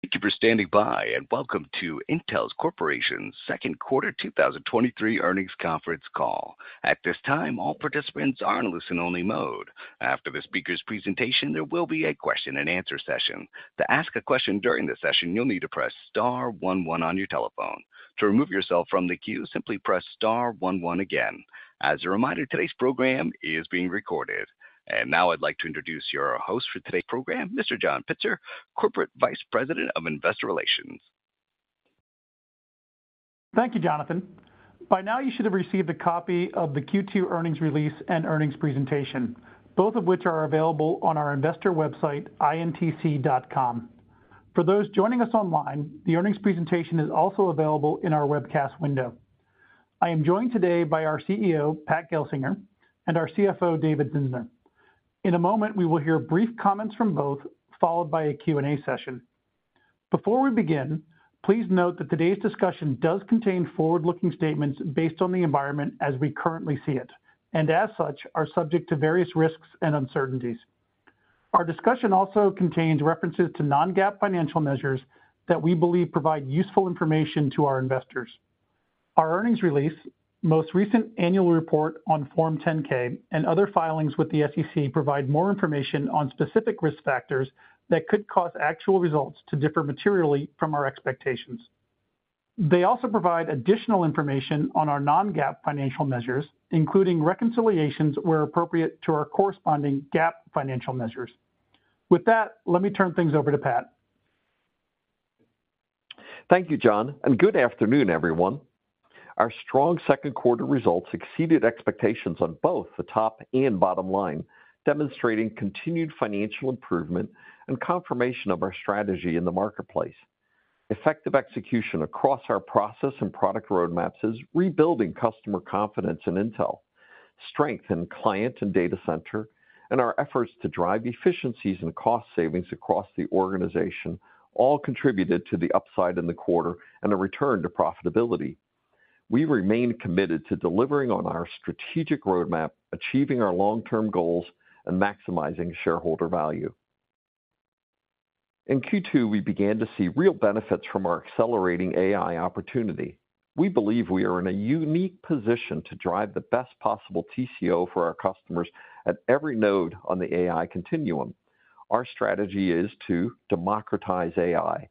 Thank you for standing by, welcome to Intel Corporation's Q2 2023 Earnings Conference Call. At this time, all participants are in listen-only mode. After the speaker's presentation, there will be a question-and-answer session. To ask a question during the session, you'll need to press star one one on your telephone. To remove yourself from the queue, simply press star one one again. As a reminder, today's program is being recorded. Now I'd like to introduce your host for today's program, Mr. John Pitzer, Corporate Vice President of Investor Relations. Thank you, Jonathan. By now, you should have received a copy of the Q2 Earnings Release and Earnings Presentation, both of which are available on our investor website, intc.com. For those joining us online, the Earnings Presentation is also available in our webcast window. I am joined today by our CEO, Pat Gelsinger, and our CFO, David Zinsner. In a moment, we will hear brief comments from both, followed by a Q&A session. Before we begin, please note that today's discussion does contain forward-looking statements based on the environment as we currently see it, and as such, are subject to various risks and uncertainties. Our discussion also contains references to non-GAAP financial measures that we believe provide useful information to our investors. Our earnings release, most recent annual report on Form 10-K, and other filings with the SEC provide more information on specific risk factors that could cause actual results to differ materially from our expectations. They also provide additional information on our non-GAAP financial measures, including reconciliations where appropriate, to our corresponding GAAP financial measures. With that, let me turn things over to Pat. Thank you, John, and good afternoon, everyone. Our strong Q2 results exceeded expectations on both the top and bottom line, demonstrating continued financial improvement and confirmation of our strategy in the marketplace. Effective execution across our process and product roadmaps is rebuilding customer confidence in Intel. Strength in client and data center, and our efforts to drive efficiencies and cost savings across the organization all contributed to the upside in the quarter and a return to profitability. We remain committed to delivering on our strategic roadmap, achieving our long-term goals, and maximizing shareholder value. In Q2, we began to see real benefits from our accelerating AI opportunity. We believe we are in a unique position to drive the best possible TCO for our customers at every node on the AI continuum. Our strategy is to democratize AI,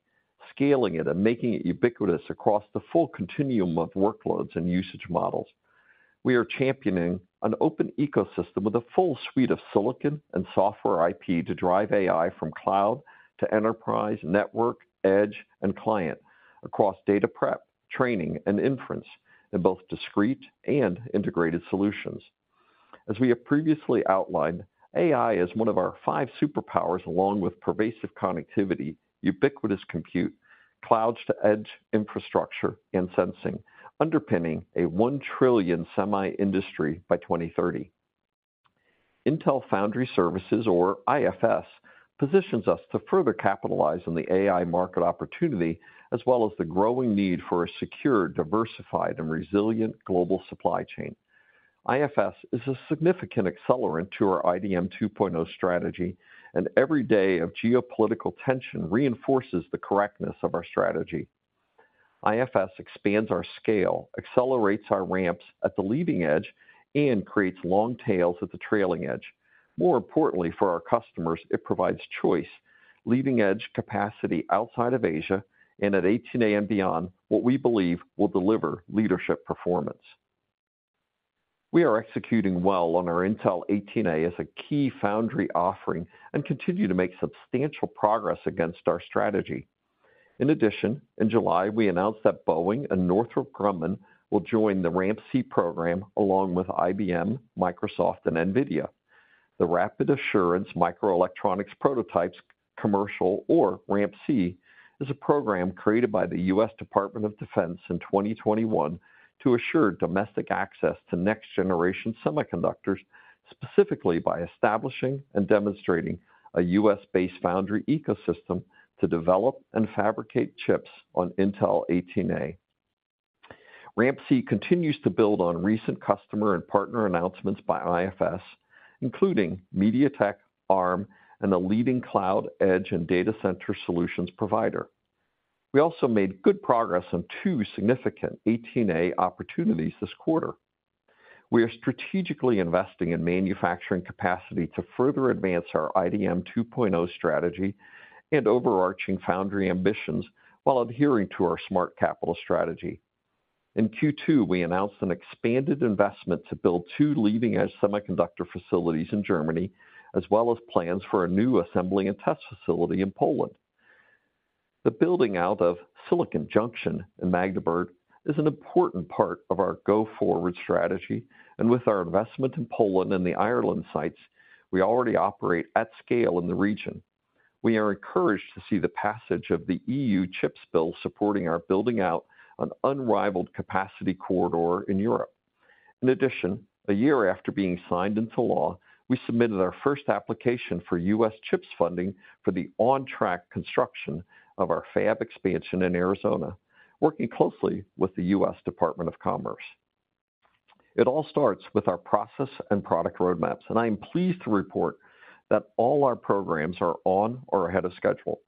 scaling it and making it ubiquitous across the full continuum of workloads and usage models. We are championing an open ecosystem with a full suite of silicon and software IP to drive AI from cloud to enterprise, network, edge, and client across data prep, training, and inference in both discrete and integrated solutions. As we have previously outlined, AI is one of our five superpowers, along with pervasive connectivity, ubiquitous compute, cloud-to-edge infrastructure, and sensing, underpinning a $1 trillion semiconductor industry by 2030. Intel Foundry Services, or IFS, positions us to further capitalize on the AI market opportunity, as well as the growing need for a secure, diversified, and resilient global supply chain. IFS is a significant accelerant to our 2.0 strategy. Every day of geopolitical tension reinforces the correctness of our strategy. IFS expands our scale, accelerates our ramps at the leading edge, and creates long tails at the trailing edge. More importantly, for our customers, it provides choice, leading-edge capacity outside of Asia and at 18A and beyond, what we believe will deliver leadership performance. We are executing well on our Intel 18A as a key foundry offering and continue to make substantial progress against our strategy. In July, we announced that Boeing and Northrop Grumman will join the RAMP-C program, along with IBM, Microsoft, and NVIDIA. The Rapid Assured Microelectronics Prototypes - Commercial, or RAMP-C, is a program created by the US Department of Defense in 2021 to assure domestic access to next-generation semiconductors, specifically by establishing and demonstrating a US-based foundry ecosystem to develop and fabricate chips on Intel 18A. RAMP-C continues to build on recent customer and partner announcements by IFS, including MediaTek, Arm, and the leading cloud, edge, and data center solutions provider. We also made good progress on two significant 18A opportunities this quarter. We are strategically investing in manufacturing capacity to further advance our IDM 2.0 strategy and overarching foundry ambitions while adhering to our Smart Capital strategy. In Q2, we announced an expanded investment to build two leading-edge semiconductor facilities in Germany, as well as plans for a new assembly and test facility in Poland. The building out of Silicon Junction in Magdeburg is an important part of our go-forward strategy, and with our investment in Poland and the Ireland sites, we already operate at scale in the region. We are encouraged to see the passage of the EU Chips Bill supporting our building out an unrivaled capacity corridor in Europe. In addition, a year after being signed into law, we submitted our first application for U.S. CHIPS funding for the on-track construction of our fab expansion in Arizona, working closely with the US Department of Commerce. It all starts with our process and product roadmaps, I am pleased to report that all our programs are on or ahead of schedule.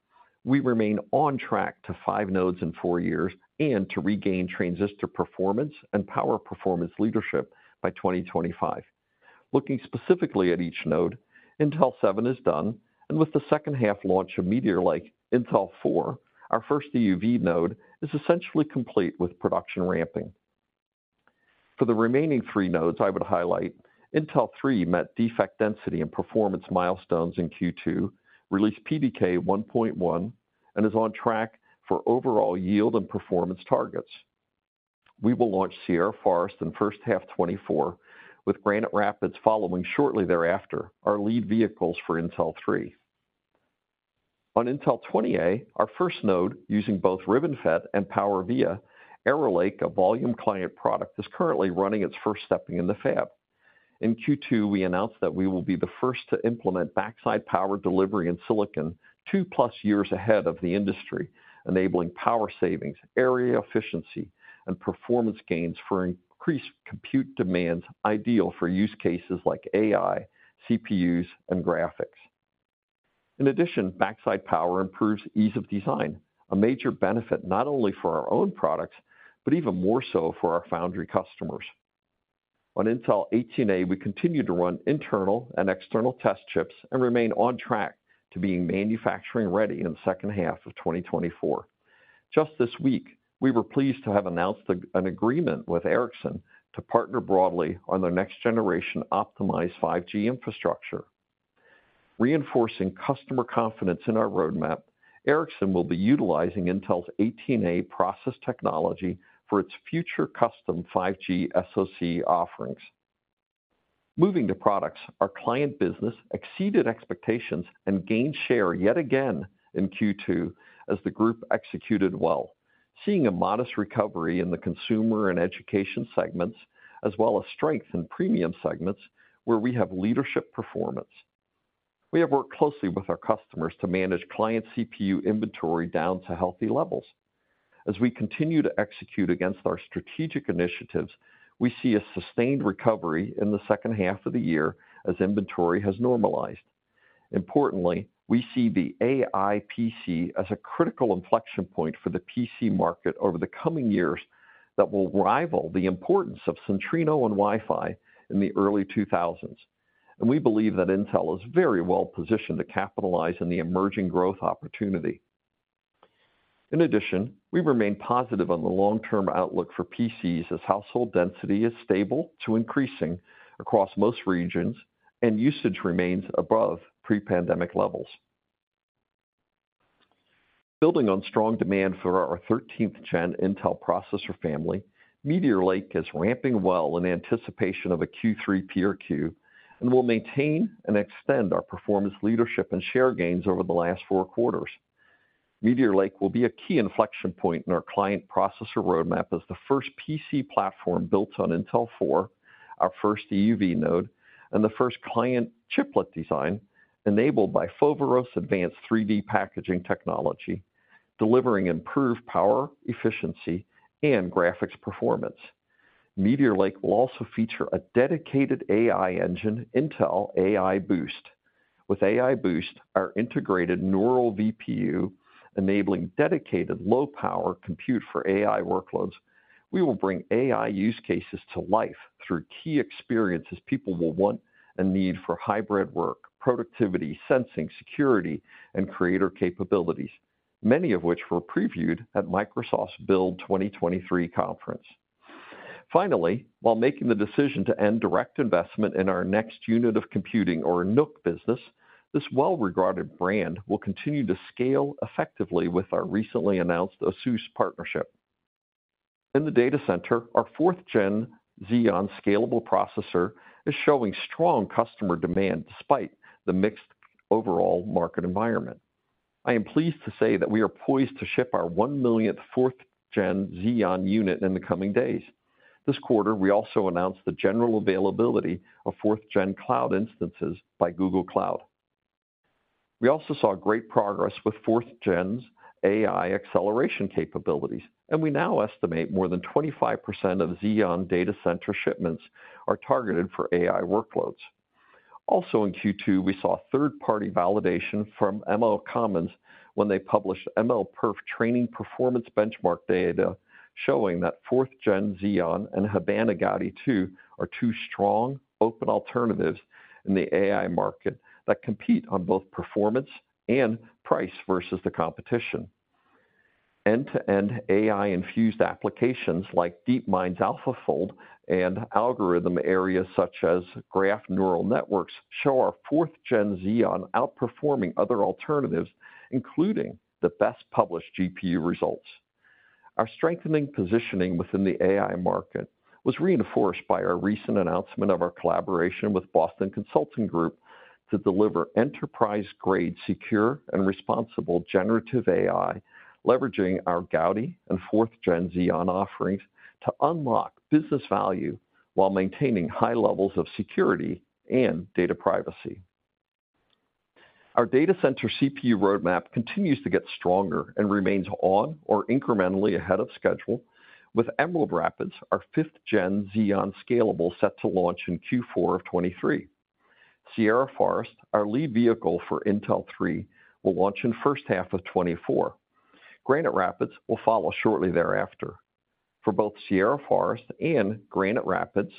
We remain on track to 5 nodes in 4 years and to regain transistor performance and power performance leadership by 2025. Looking specifically at each node, Intel 7 is done, and with the second half launch of Meteor Lake, Intel 4, our first EUV node, is essentially complete with production ramping. For the remaining three nodes, I would highlight Intel 3 met defect density and performance milestones in Q2, released PDK 1.1, and is on track for overall yield and performance targets. We will launch Sierra Forest in first half 2024, with Granite Rapids following shortly thereafter, our lead vehicles for Intel 3. On Intel 20A, our first node using both RibbonFET and PowerVia, Arrow Lake, a volume client product, is currently running its first stepping in the fab. In Q2, we announced that we will be the first to implement backside power delivery in silicon 2-plus years ahead of the industry, enabling power savings, area efficiency, and performance gains for increased compute demands, ideal for use cases like AI, CPUs, and graphics. In addition, backside power improves ease of design, a major benefit not only for our own products, but even more so for our foundry customers. On Intel 18A, we continue to run internal and external test chips and remain on track to being manufacturing-ready in the second half of 2024. Just this week, we were pleased to have announced an agreement with Ericsson to partner broadly on their next-generation optimized 5G infrastructure. Reinforcing customer confidence in our roadmap, Ericsson will be utilizing Intel's 18A process technology for its future custom 5G SoC offerings. Moving to products, our client business exceeded expectations and gained share yet again in Q2 as the group executed well, seeing a modest recovery in the consumer and education segments, as well as strength in premium segments where we have leadership performance. We have worked closely with our customers to manage client CPU inventory down to healthy levels. As we continue to execute against our strategic initiatives, we see a sustained recovery in the second half of the year as inventory has normalized. Importantly, we see the AI PC as a critical inflection point for the PC market over the coming years that will rival the importance of Centrino and Wi-Fi in the early 2000s, and we believe that Intel is very well positioned to capitalize on the emerging growth opportunity. In addition, we remain positive on the long-term outlook for PCs as household density is stable to increasing across most regions and usage remains above pre-pandemic levels. Building on strong demand for our 13th-gen Intel processor family, Meteor Lake is ramping well in anticipation of a Q3 PRQ and will maintain and extend our performance leadership and share gains over the last four quarters. Meteor Lake will be a key inflection point in our client processor roadmap as the first PC platform built on Intel 4, our first EUV node, and the first client chiplet design, enabled by Foveros advanced 3D packaging technology, delivering improved power, efficiency, and graphics performance. Meteor Lake will also feature a dedicated AI engine, Intel AI Boost. With AI Boost, our integrated neural VPU, enabling dedicated low-power compute for AI workloads, we will bring AI use cases to life through key experiences people will want and need for hybrid work, productivity, sensing, security, and creator capabilities, many of which were previewed at Microsoft's Build 2023 Conference. Finally, while making the decision to end direct investment in our Next Unit of Computing, or NUC business, this well-regarded brand will continue to scale effectively with our recently announced Asus partnership. In the data center, our 4th Gen Xeon Scalable processor is showing strong customer demand despite the mixed overall market environment. I am pleased to say that we are poised to ship our 1 millionth 4th Gen Xeon unit in the coming days. This quarter, we also announced the general availability of 4th Gen cloud instances by Google Cloud. We also saw great progress with 4th Gen's AI acceleration capabilities, and we now estimate more than 25% of Xeon data center shipments are targeted for AI workloads. Also in Q2, we saw third-party validation from MLCommons when they published MLPerf training performance benchmark data, showing that 4th Gen Xeon and Habana Gaudi 2 are two strong open alternatives in the AI market that compete on both performance and price versus the competition. End-to-end AI-infused applications like DeepMind's AlphaFold and algorithm areas such as graph neural networks show our 4th Gen Xeon outperforming other alternatives, including the best published GPU results. Our strengthening positioning within the AI market was reinforced by our recent announcement of our collaboration with Boston Consulting Group to deliver enterprise-grade, secure, and responsible generative AI, leveraging our Gaudi and 4th Gen Xeon offerings to unlock business value while maintaining high levels of security and data privacy. Our data center CPU roadmap continues to get stronger and remains on or incrementally ahead of schedule, with Emerald Rapids, our 5th Gen Xeon Scalable, set to launch in Q4 of 2023. Sierra Forest, our lead vehicle for Intel 3, will launch in first half of 2024. Granite Rapids will follow shortly thereafter. For both Sierra Forest and Granite Rapids,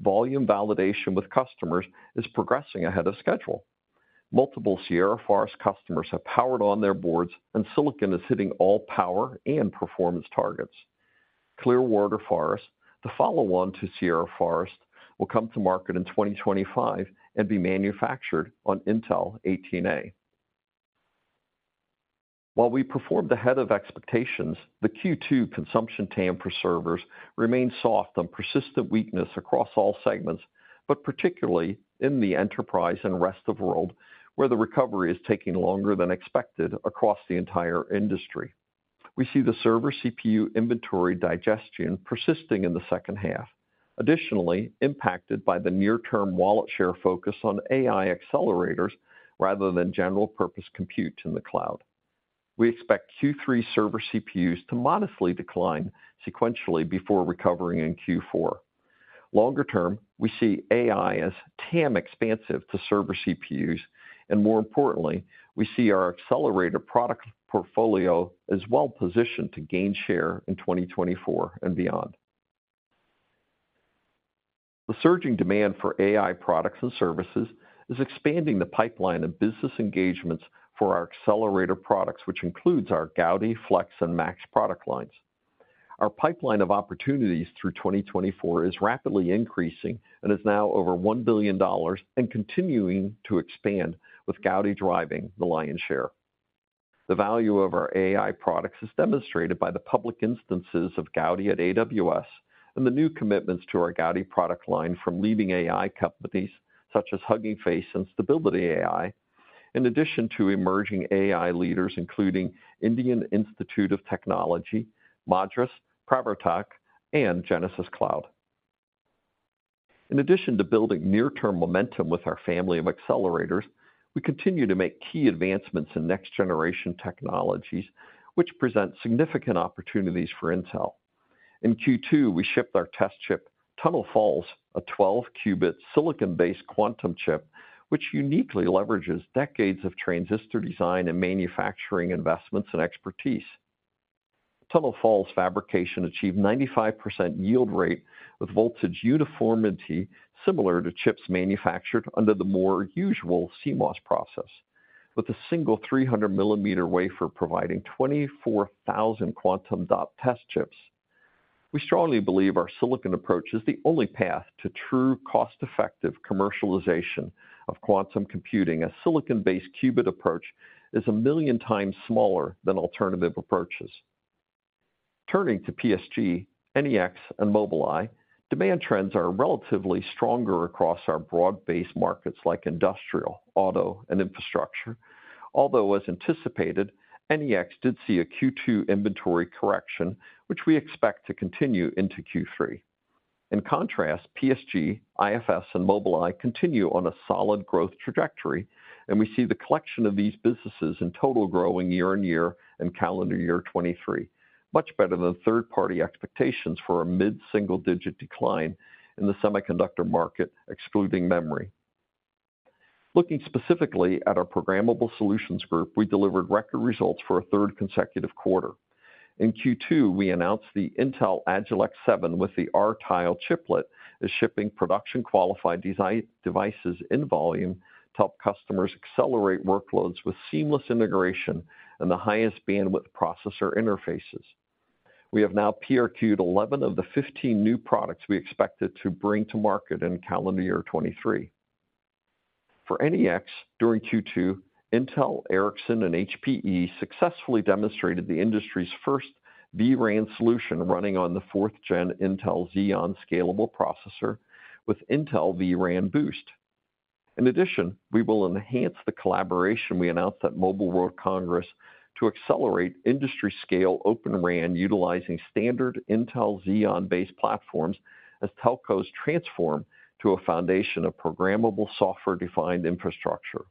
volume validation with customers is progressing ahead of schedule. Multiple Sierra Forest customers have powered on their boards. Silicon is hitting all power and performance targets. Clearwater Forest, the follow-on to Sierra Forest, will come to market in 2025 and be manufactured on Intel 18A. While we performed ahead of expectations, the Q2 consumption TAM for servers remained soft on persistent weakness across all segments, particularly in the enterprise and rest of world, where the recovery is taking longer than expected across the entire industry. We see the server CPU inventory digestion persisting in the second half. Additionally, impacted by the near-term wallet share focus on AI accelerators rather than general purpose compute in the cloud. We expect Q3 server CPUs to modestly decline sequentially before recovering in Q4. Longer term, we see AI as TAM expansive to server CPUs, and more importantly, we see our accelerator product portfolio as well positioned to gain share in 2024 and beyond. The surging demand for AI products and services is expanding the pipeline of business engagements for our accelerator products, which includes our Gaudi, Flex, and Max product lines. Our pipeline of opportunities through 2024 is rapidly increasing and is now over $1 billion and continuing to expand, with Gaudi driving the lion's share. The value of our AI products is demonstrated by the public instances of Gaudi at AWS and the new commitments to our Gaudi product line from leading AI companies such as Hugging Face and Stability AI, in addition to emerging AI leaders, including Indian Institute of Technology, Madras, Pravartak, and Genesis Cloud. In addition to building near-term momentum with our family of accelerators, we continue to make key advancements in next-generation technologies, which present significant opportunities for Intel. In Q2, we shipped our test chip, Tunnel Falls, a 12-qubit silicon-based quantum chip, which uniquely leverages decades of transistor design and manufacturing investments and expertise. Tunnel Falls fabrication achieved 95% yield rate with voltage uniformity, similar to chips manufactured under the more usual CMOS process, with a single 300 millimeter wafer providing 24,000 quantum dot test chips. We strongly believe our silicon approach is the only path to true cost-effective commercialization of quantum computing. A silicon-based qubit approach is a million times smaller than alternative approaches. Turning to PSG, NEX, and Mobileye, demand trends are relatively stronger across our broad-based markets like industrial, auto, and infrastructure. Although, as anticipated, NEX did see a Q2 inventory correction, which we expect to continue into Q3. In contrast, IFS and Mobileye continue on a solid growth trajectory, and we see the collection of these businesses in total growing year-on-year in calendar year 2023. Much better than third-party expectations for a mid-single-digit decline in the semiconductor market, excluding memory. Looking specifically at our programmable solutions group, we delivered record results for a third consecutive quarter. In Q2, we announced the Intel Agilex 7 with the R-Tile chiplet is shipping production-qualified devices in volume to help customers accelerate workloads with seamless integration and the highest bandwidth processor interfaces. We have now PRQ'd 11 of the 15 new products we expected to bring to market in calendar year 2023. For NEX, during Q2, Intel, Ericsson and HPE successfully demonstrated the industry's first vRAN solution running on the 4th Gen Intel Xeon Scalable processor with Intel vRAN Boost. In addition, we will enhance the collaboration we announced at Mobile World Congress to accelerate industry scale Open RAN, utilizing standard Intel Xeon-based platforms as telcos transform to a foundation of programmable software-defined infrastructure.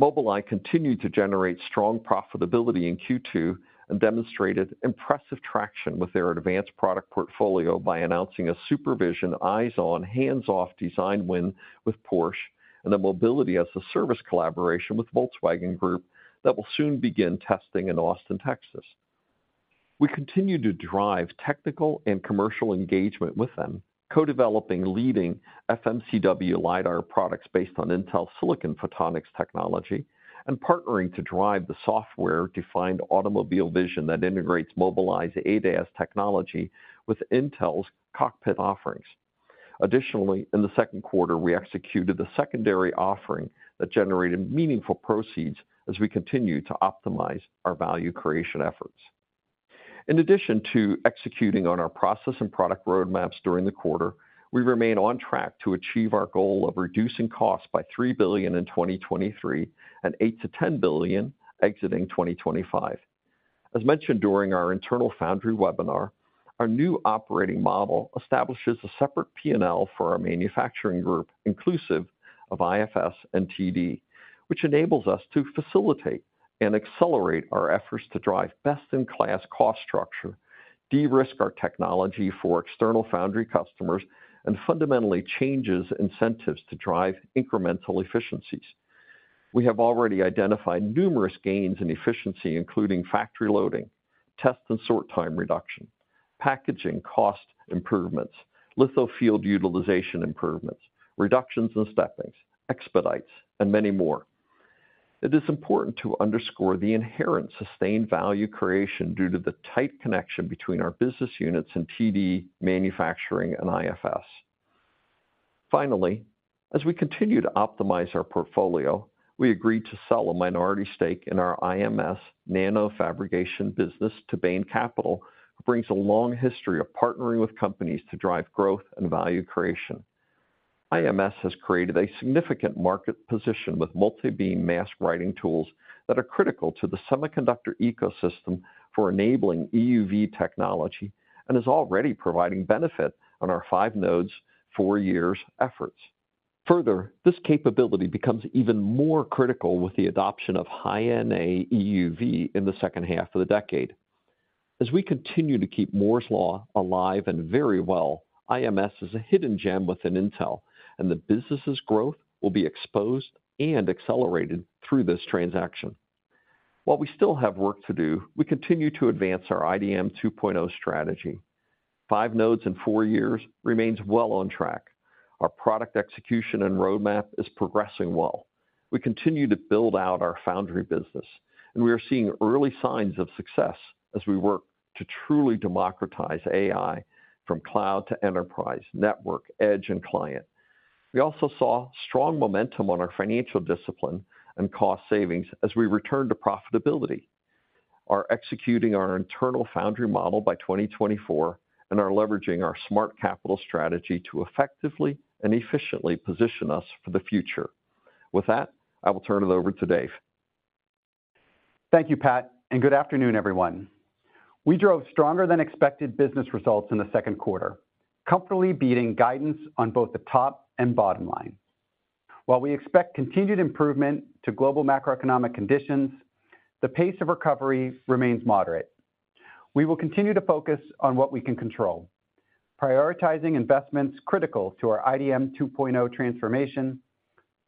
Mobileye continued to generate strong profitability in Q2 and demonstrated impressive traction with their advanced product portfolio by announcing a Supervision eyes-on, hands-off design win with Porsche and a mobility-as-a-service collaboration with Volkswagen Group that will soon begin testing in Austin, Texas. We continue to drive technical and commercial engagement with them, co-developing leading FMCW LiDAR products based on Intel Silicon Photonics technology, and partnering to drive the software-defined automobile vision that integrates Mobileye's ADAS technology with Intel's cockpit offerings. Additionally, in the Q2, we executed the secondary offering that generated meaningful proceeds as we continue to optimize our value creation efforts. In addition to executing on our process and product roadmaps during the quarter, we remain on track to achieve our goal of reducing costs by $3 billion in 2023 and $8 billion-$10 billion exiting 2025. As mentioned during our internal foundry webinar, our new operating model establishes a separate P&L for our manufacturing group, inclusive of IFS and TD, which enables us to facilitate and accelerate our efforts to drive best-in-class cost structure, de-risk our technology for external foundry customers, and fundamentally changes incentives to drive incremental efficiencies. We have already identified numerous gains in efficiency, including factory loading, test and sort time reduction, packaging cost improvements, litho field utilization improvements, reductions in steppings, expedites, and many more. It is important to underscore the inherent sustained value creation due to the tight connection between our business units and TD manufacturing and IFS. Finally, as we continue to optimize our portfolio, we agreed to sell a minority stake in our IMS nanofabrication business to Bain Capital, who brings a long history of partnering with companies to drive growth and value creation. IMS has created a significant market position with multi-beam mask writing tools that are critical to the semiconductor ecosystem for enabling EUV technology and is already providing benefit on our 5 nodes, 4 years efforts. Further, this capability becomes even more critical with the adoption of high NA EUV in the second half of the decade. As we continue to keep Moore's Law alive and very well, IMS is a hidden gem within Intel, and the business's growth will be exposed and accelerated through this transaction. While we still have work to do, we continue to advance our IDM 2.0 strategy. 5 nodes in 4 years remains well on track. Our product execution and roadmap is progressing well. We continue to build out our foundry business, and we are seeing early signs of success as we work to truly democratize AI from cloud to enterprise, network, edge, and client. We also saw strong momentum on our financial discipline and cost savings as we return to profitability. Are executing our internal foundry model by 2024, and are leveraging our Smart Capital strategy to effectively and efficiently position us for the future. With that, I will turn it over to Dave. Thank you, Pat, good afternoon, everyone. We drove stronger than expected business results in the Q2, comfortably beating guidance on both the top and bottom line. While we expect continued improvement to global macroeconomic conditions, the pace of recovery remains moderate. We will continue to focus on what we can control, prioritizing investments critical to our IDM 2.0 transformation,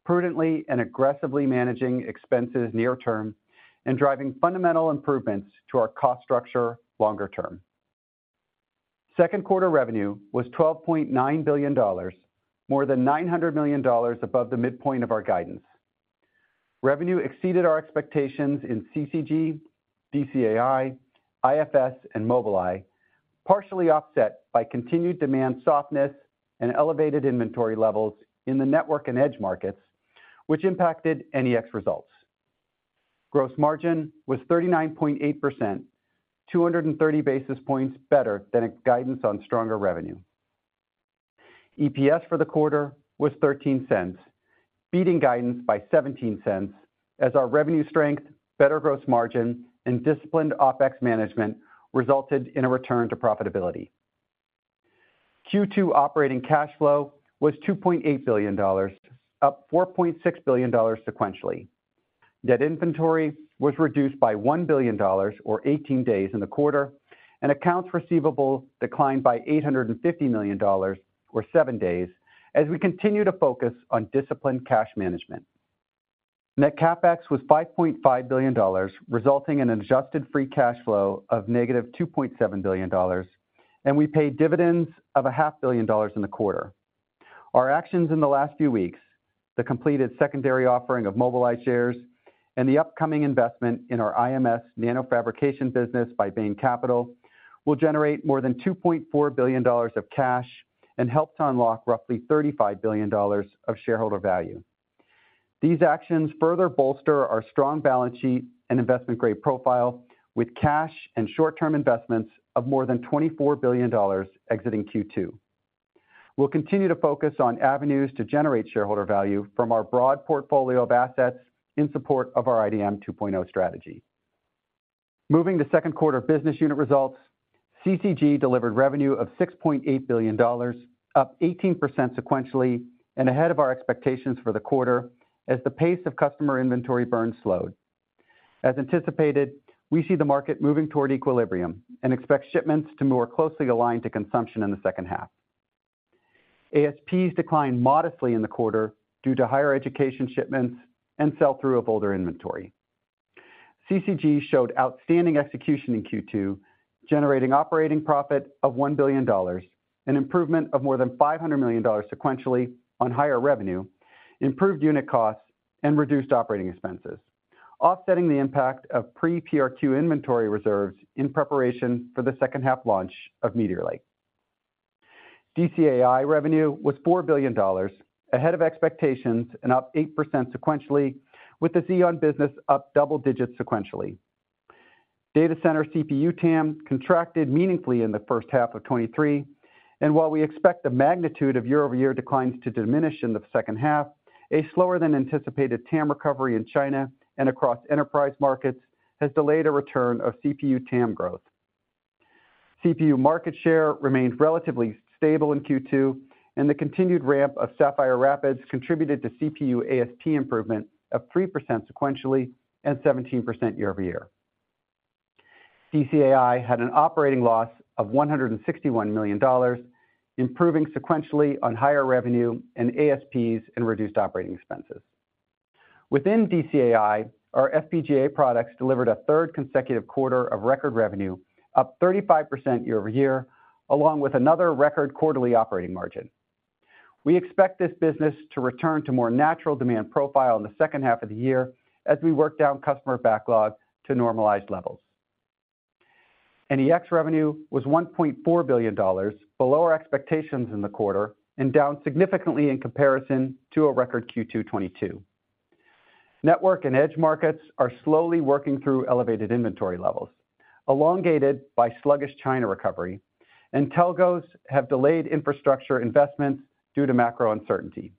prudently and aggressively managing expenses near term, and driving fundamental improvements to our cost structure longer term. Q2 revenue was $12.9 billion, more than $900 million above the midpoint of our guidance. Revenue exceeded our expectations in CCG, DCAI, IFS, and Mobileye, partially offset by continued demand softness and elevated inventory levels in the network and edge markets, which impacted NEX results. Gross margin was 39.8%, 230 basis points better than its guidance on stronger revenue. EPS for the quarter was $0.13, beating guidance by $0.17 as our revenue strength, better gross margin, and disciplined OpEx management resulted in a return to profitability. Q2 operating cash flow was $2.8 billion, up $4.6 billion sequentially. Debt inventory was reduced by $1 billion, or 18 days in the quarter, and accounts receivable declined by $850 million, or 7 days, as we continue to focus on disciplined cash management. Net CapEx was $5.5 billion, resulting in an adjusted free cash flow of -$2.7 billion, and we paid dividends of $500 million in the quarter. Our actions in the last few weeks, the completed secondary offering of Mobileye shares and the upcoming investment in our IMS Nanofabrication business by Bain Capital, will generate more than $2.4 billion of cash and help to unlock roughly $35 billion of shareholder value. These actions further bolster our strong balance sheet and investment-grade profile with cash and short-term investments of more than $24 billion exiting Q2. We'll continue to focus on avenues to generate shareholder value from our broad portfolio of assets in support of our IDM 2.0 strategy. Moving to Q2 business unit results, CCG delivered revenue of $6.8 billion, up 18% sequentially and ahead of our expectations for the quarter as the pace of customer inventory burn slowed. As anticipated, we see the market moving toward equilibrium and expect shipments to more closely align to consumption in the second half. ASPs declined modestly in the quarter due to higher education shipments and sell-through of older inventory. CCG showed outstanding execution in Q2, generating operating profit of $1 billion, an improvement of more than $500 million sequentially on higher revenue, improved unit costs, and reduced operating expenses, offsetting the impact of pre-PRQ inventory reserves in preparation for the second half launch of Meteor Lake. DCAI revenue was $4 billion, ahead of expectations and up 8% sequentially, with the Xeon business up double digits sequentially. Data center CPU TAM contracted meaningfully in the first half of 2023. While we expect the magnitude of year-over-year declines to diminish in the second half, a slower-than-anticipated TAM recovery in China and across enterprise markets has delayed a return of CPU TAM growth. CPU market share remained relatively stable in Q2, and the continued ramp of Sapphire Rapids contributed to CPU ASP improvement of 3% sequentially and 17% year-over-year. DCAI had an operating loss of $161 million, improving sequentially on higher revenue and ASPs and reduced operating expenses. Within DCAI, our FPGA products delivered a third consecutive quarter of record revenue, up 35% year-over-year, along with another record quarterly operating margin. We expect this business to return to more natural demand profile in the second half of the year as we work down customer backlog to normalized levels. NEX revenue was $1.4 billion, below our expectations in the quarter, and down significantly in comparison to a record Q2 2022. Network and edge markets are slowly working through elevated inventory levels, elongated by sluggish China recovery, telcos have delayed infrastructure investments due to macro uncertainty.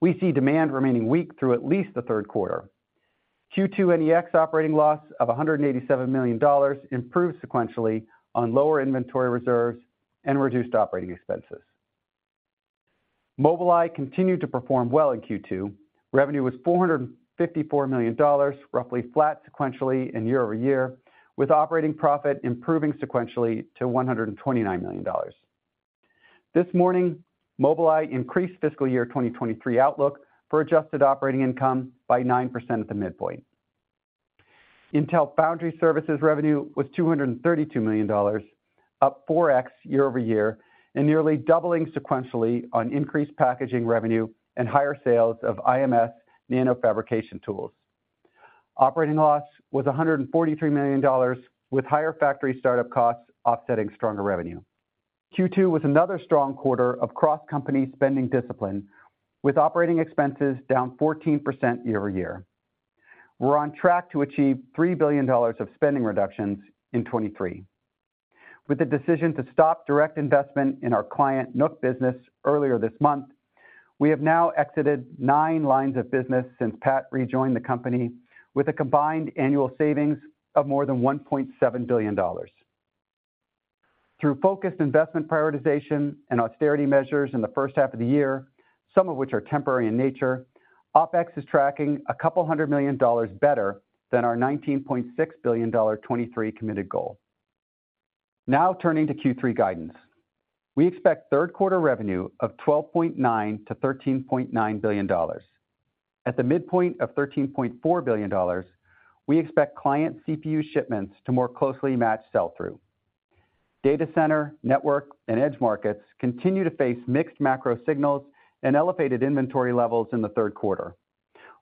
We see demand remaining weak through at least the Q3. Q2 NEX operating loss of $187 million improved sequentially on lower inventory reserves and reduced operating expenses. Mobileye continued to perform well in Q2. Revenue was $454 million, roughly flat sequentially and year-over-year, with operating profit improving sequentially to $129 million. This morning, Mobileye increased fiscal year 2023 outlook for adjusted operating income by 9% at the midpoint. Intel Foundry Services revenue was $232 million, up 4x year-over-year, nearly doubling sequentially on increased packaging revenue and higher sales of IMS nanofabrication tools. Operating loss was $143 million, with higher factory startup costs offsetting stronger revenue. Q2 was another strong quarter of cross-company spending discipline, with operating expenses down 14% year-over-year. We're on track to achieve $3 billion of spending reductions in 2023. With the decision to stop direct investment in our client NUC business earlier this month, we have now exited nine lines of business since Pat rejoined the company with a combined annual savings of more than $1.7 billion. Through focused investment prioritization and austerity measures in the first half of the year, some of which are temporary in nature, OpEx is tracking $200 million better than our $19.6 billion 2023 committed goal. Turning to Q3 guidance. We expect Q3 revenue of $12.9 billion-$13.9 billion. At the midpoint of $13.4 billion, we expect client CPU shipments to more closely match sell-through. Data center, network, and edge markets continue to face mixed macro signals and elevated inventory levels in the Q3,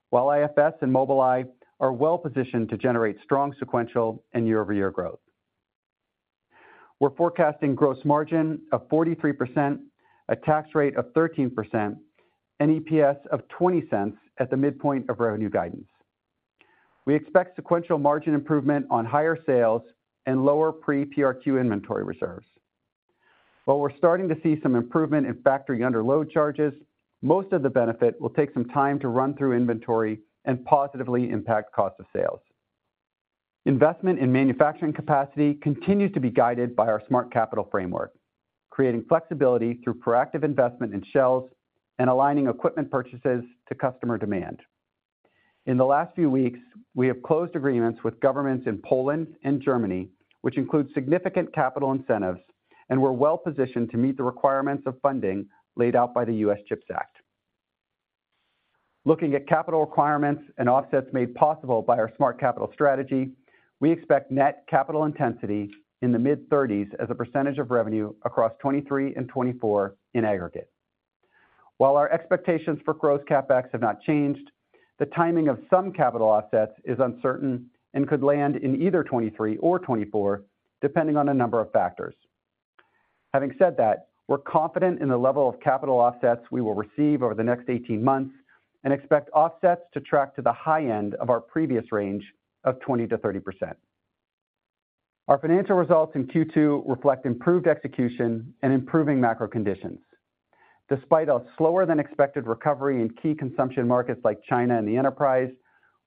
while IFS and Mobileye are well positioned to generate strong sequential and year-over-year growth. We're forecasting gross margin of 43%, a tax rate of 13%, and EPS of $0.20 at the midpoint of revenue guidance. We expect sequential margin improvement on higher sales and lower pre-PRQ inventory reserves. While we're starting to see some improvement in factory underload charges, most of the benefit will take some time to run through inventory and positively impact cost of sales. Investment in manufacturing capacity continues to be guided by our Smart Capital framework, creating flexibility through proactive investment in shells and aligning equipment purchases to customer demand. In the last few weeks, we have closed agreements with governments in Poland and Germany, which include significant capital incentives, and we're well positioned to meet the requirements of funding laid out by the U.S. CHIPS Act. Looking at capital requirements and offsets made possible by our Smart Capital strategy, we expect net capital intensity in the mid-30s as a percentage of revenue across 2023 and 2024 in aggregate. While our expectations for growth CapEx have not changed, the timing of some capital offsets is uncertain and could land in either 2023 or 2024, depending on a number of factors. Having said that, we're confident in the level of capital offsets we will receive over the next 18 months and expect offsets to track to the high end of our previous range of 20%-30%. Our financial results in Q2 reflect improved execution and improving macro conditions. Despite a slower-than-expected recovery in key consumption markets like China and the enterprise,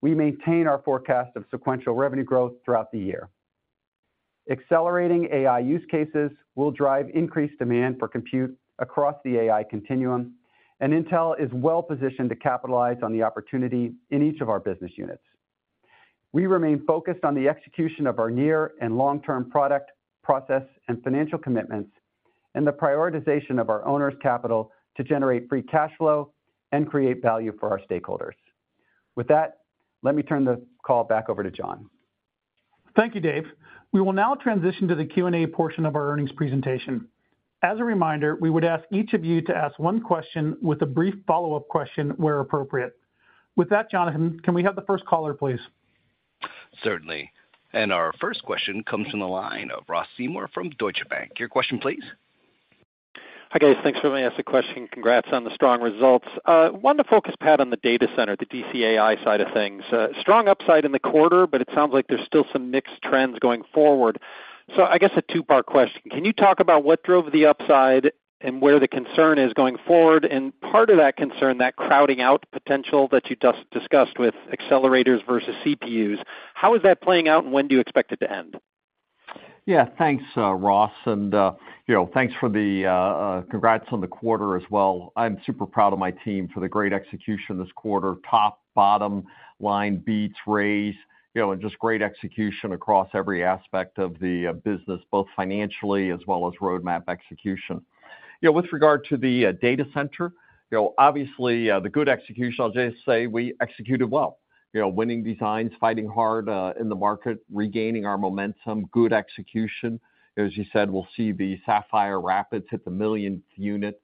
we maintain our forecast of sequential revenue growth throughout the year. Accelerating AI use cases will drive increased demand for compute across the AI continuum, and Intel is well positioned to capitalize on the opportunity in each of our business units. We remain focused on the execution of our year and long-term product, process, and financial commitments, and the prioritization of our owners' capital to generate free cash flow and create value for our stakeholders. With that, let me turn the call back over to John. Thank you, Dave. We will now transition to the Q&A portion of our earnings presentation. As a reminder, we would ask each of you to ask one question with a brief follow-up question where appropriate. With that, Jonathan, can we have the first caller, please? Certainly. Our first question comes from the line of Ross Seymore from Deutsche Bank. Your question, please. Hi, guys. Thanks for letting me ask the question. Congrats on the strong results. wanted to focus, Pat, on the data center, the DCAI side of things. strong upside in the quarter, but it sounds like there's still some mixed trends going forward. I guess a two-part question: Can you talk about what drove the upside and where the concern is going forward? Part of that concern, that crowding out potential that you just discussed with accelerators versus CPUs, how is that playing out, and when do you expect it to end? Yeah, thanks, Ross, and, you know, thanks for the, congrats on the quarter as well. I'm super proud of my team for the great execution this quarter. Top, bottom line beats, raise, you know, and just great execution across every aspect of the business, both financially as well as roadmap execution. You know, with regard to the data center, you know, obviously, the good execution, I'll just say we executed well. You know, winning designs, fighting hard, in the market, regaining our momentum, good execution. As you said, we'll see the Sapphire Rapids hit the millionth unit,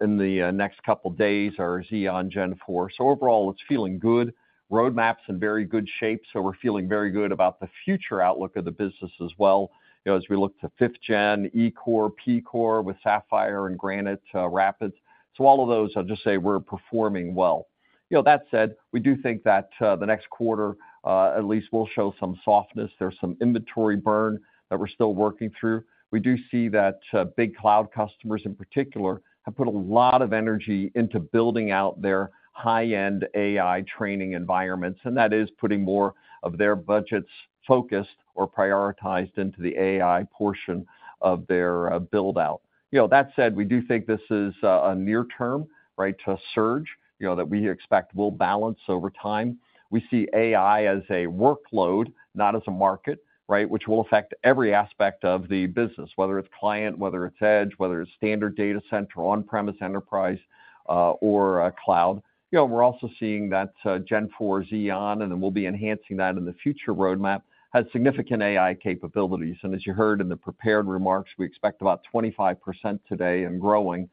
in the next couple days, our Xeon Gen4. Overall, it's feeling good. Roadmap's in very good shape, so we're feeling very good about the future outlook of the business as well. You know, as we look to 5th-gen, E-core, P-core with Sapphire and Granite Rapids. All of those, I'll just say we're performing well. You know, that said, we do think that the next quarter, at least will show some softness. There's some inventory burn that we're still working through. We do see that big cloud customers in particular, have put a lot of energy into building out their high-end AI training environments, and that is putting more of their budgets focused or prioritized into the AI portion of their build-out. You know, that said, we do think this is a near term, right, to surge, you know, that we expect will balance over time. We see AI as a workload, not as a market, right? Which will affect every aspect of the business, whether it's client, whether it's edge, whether it's standard data center, on-premise, enterprise, or cloud. You know, we're also seeing that Gen4 Xeon, then we'll be enhancing that in the future roadmap, has significant AI capabilities. As you heard in the prepared remarks, we expect about 25% today and growing,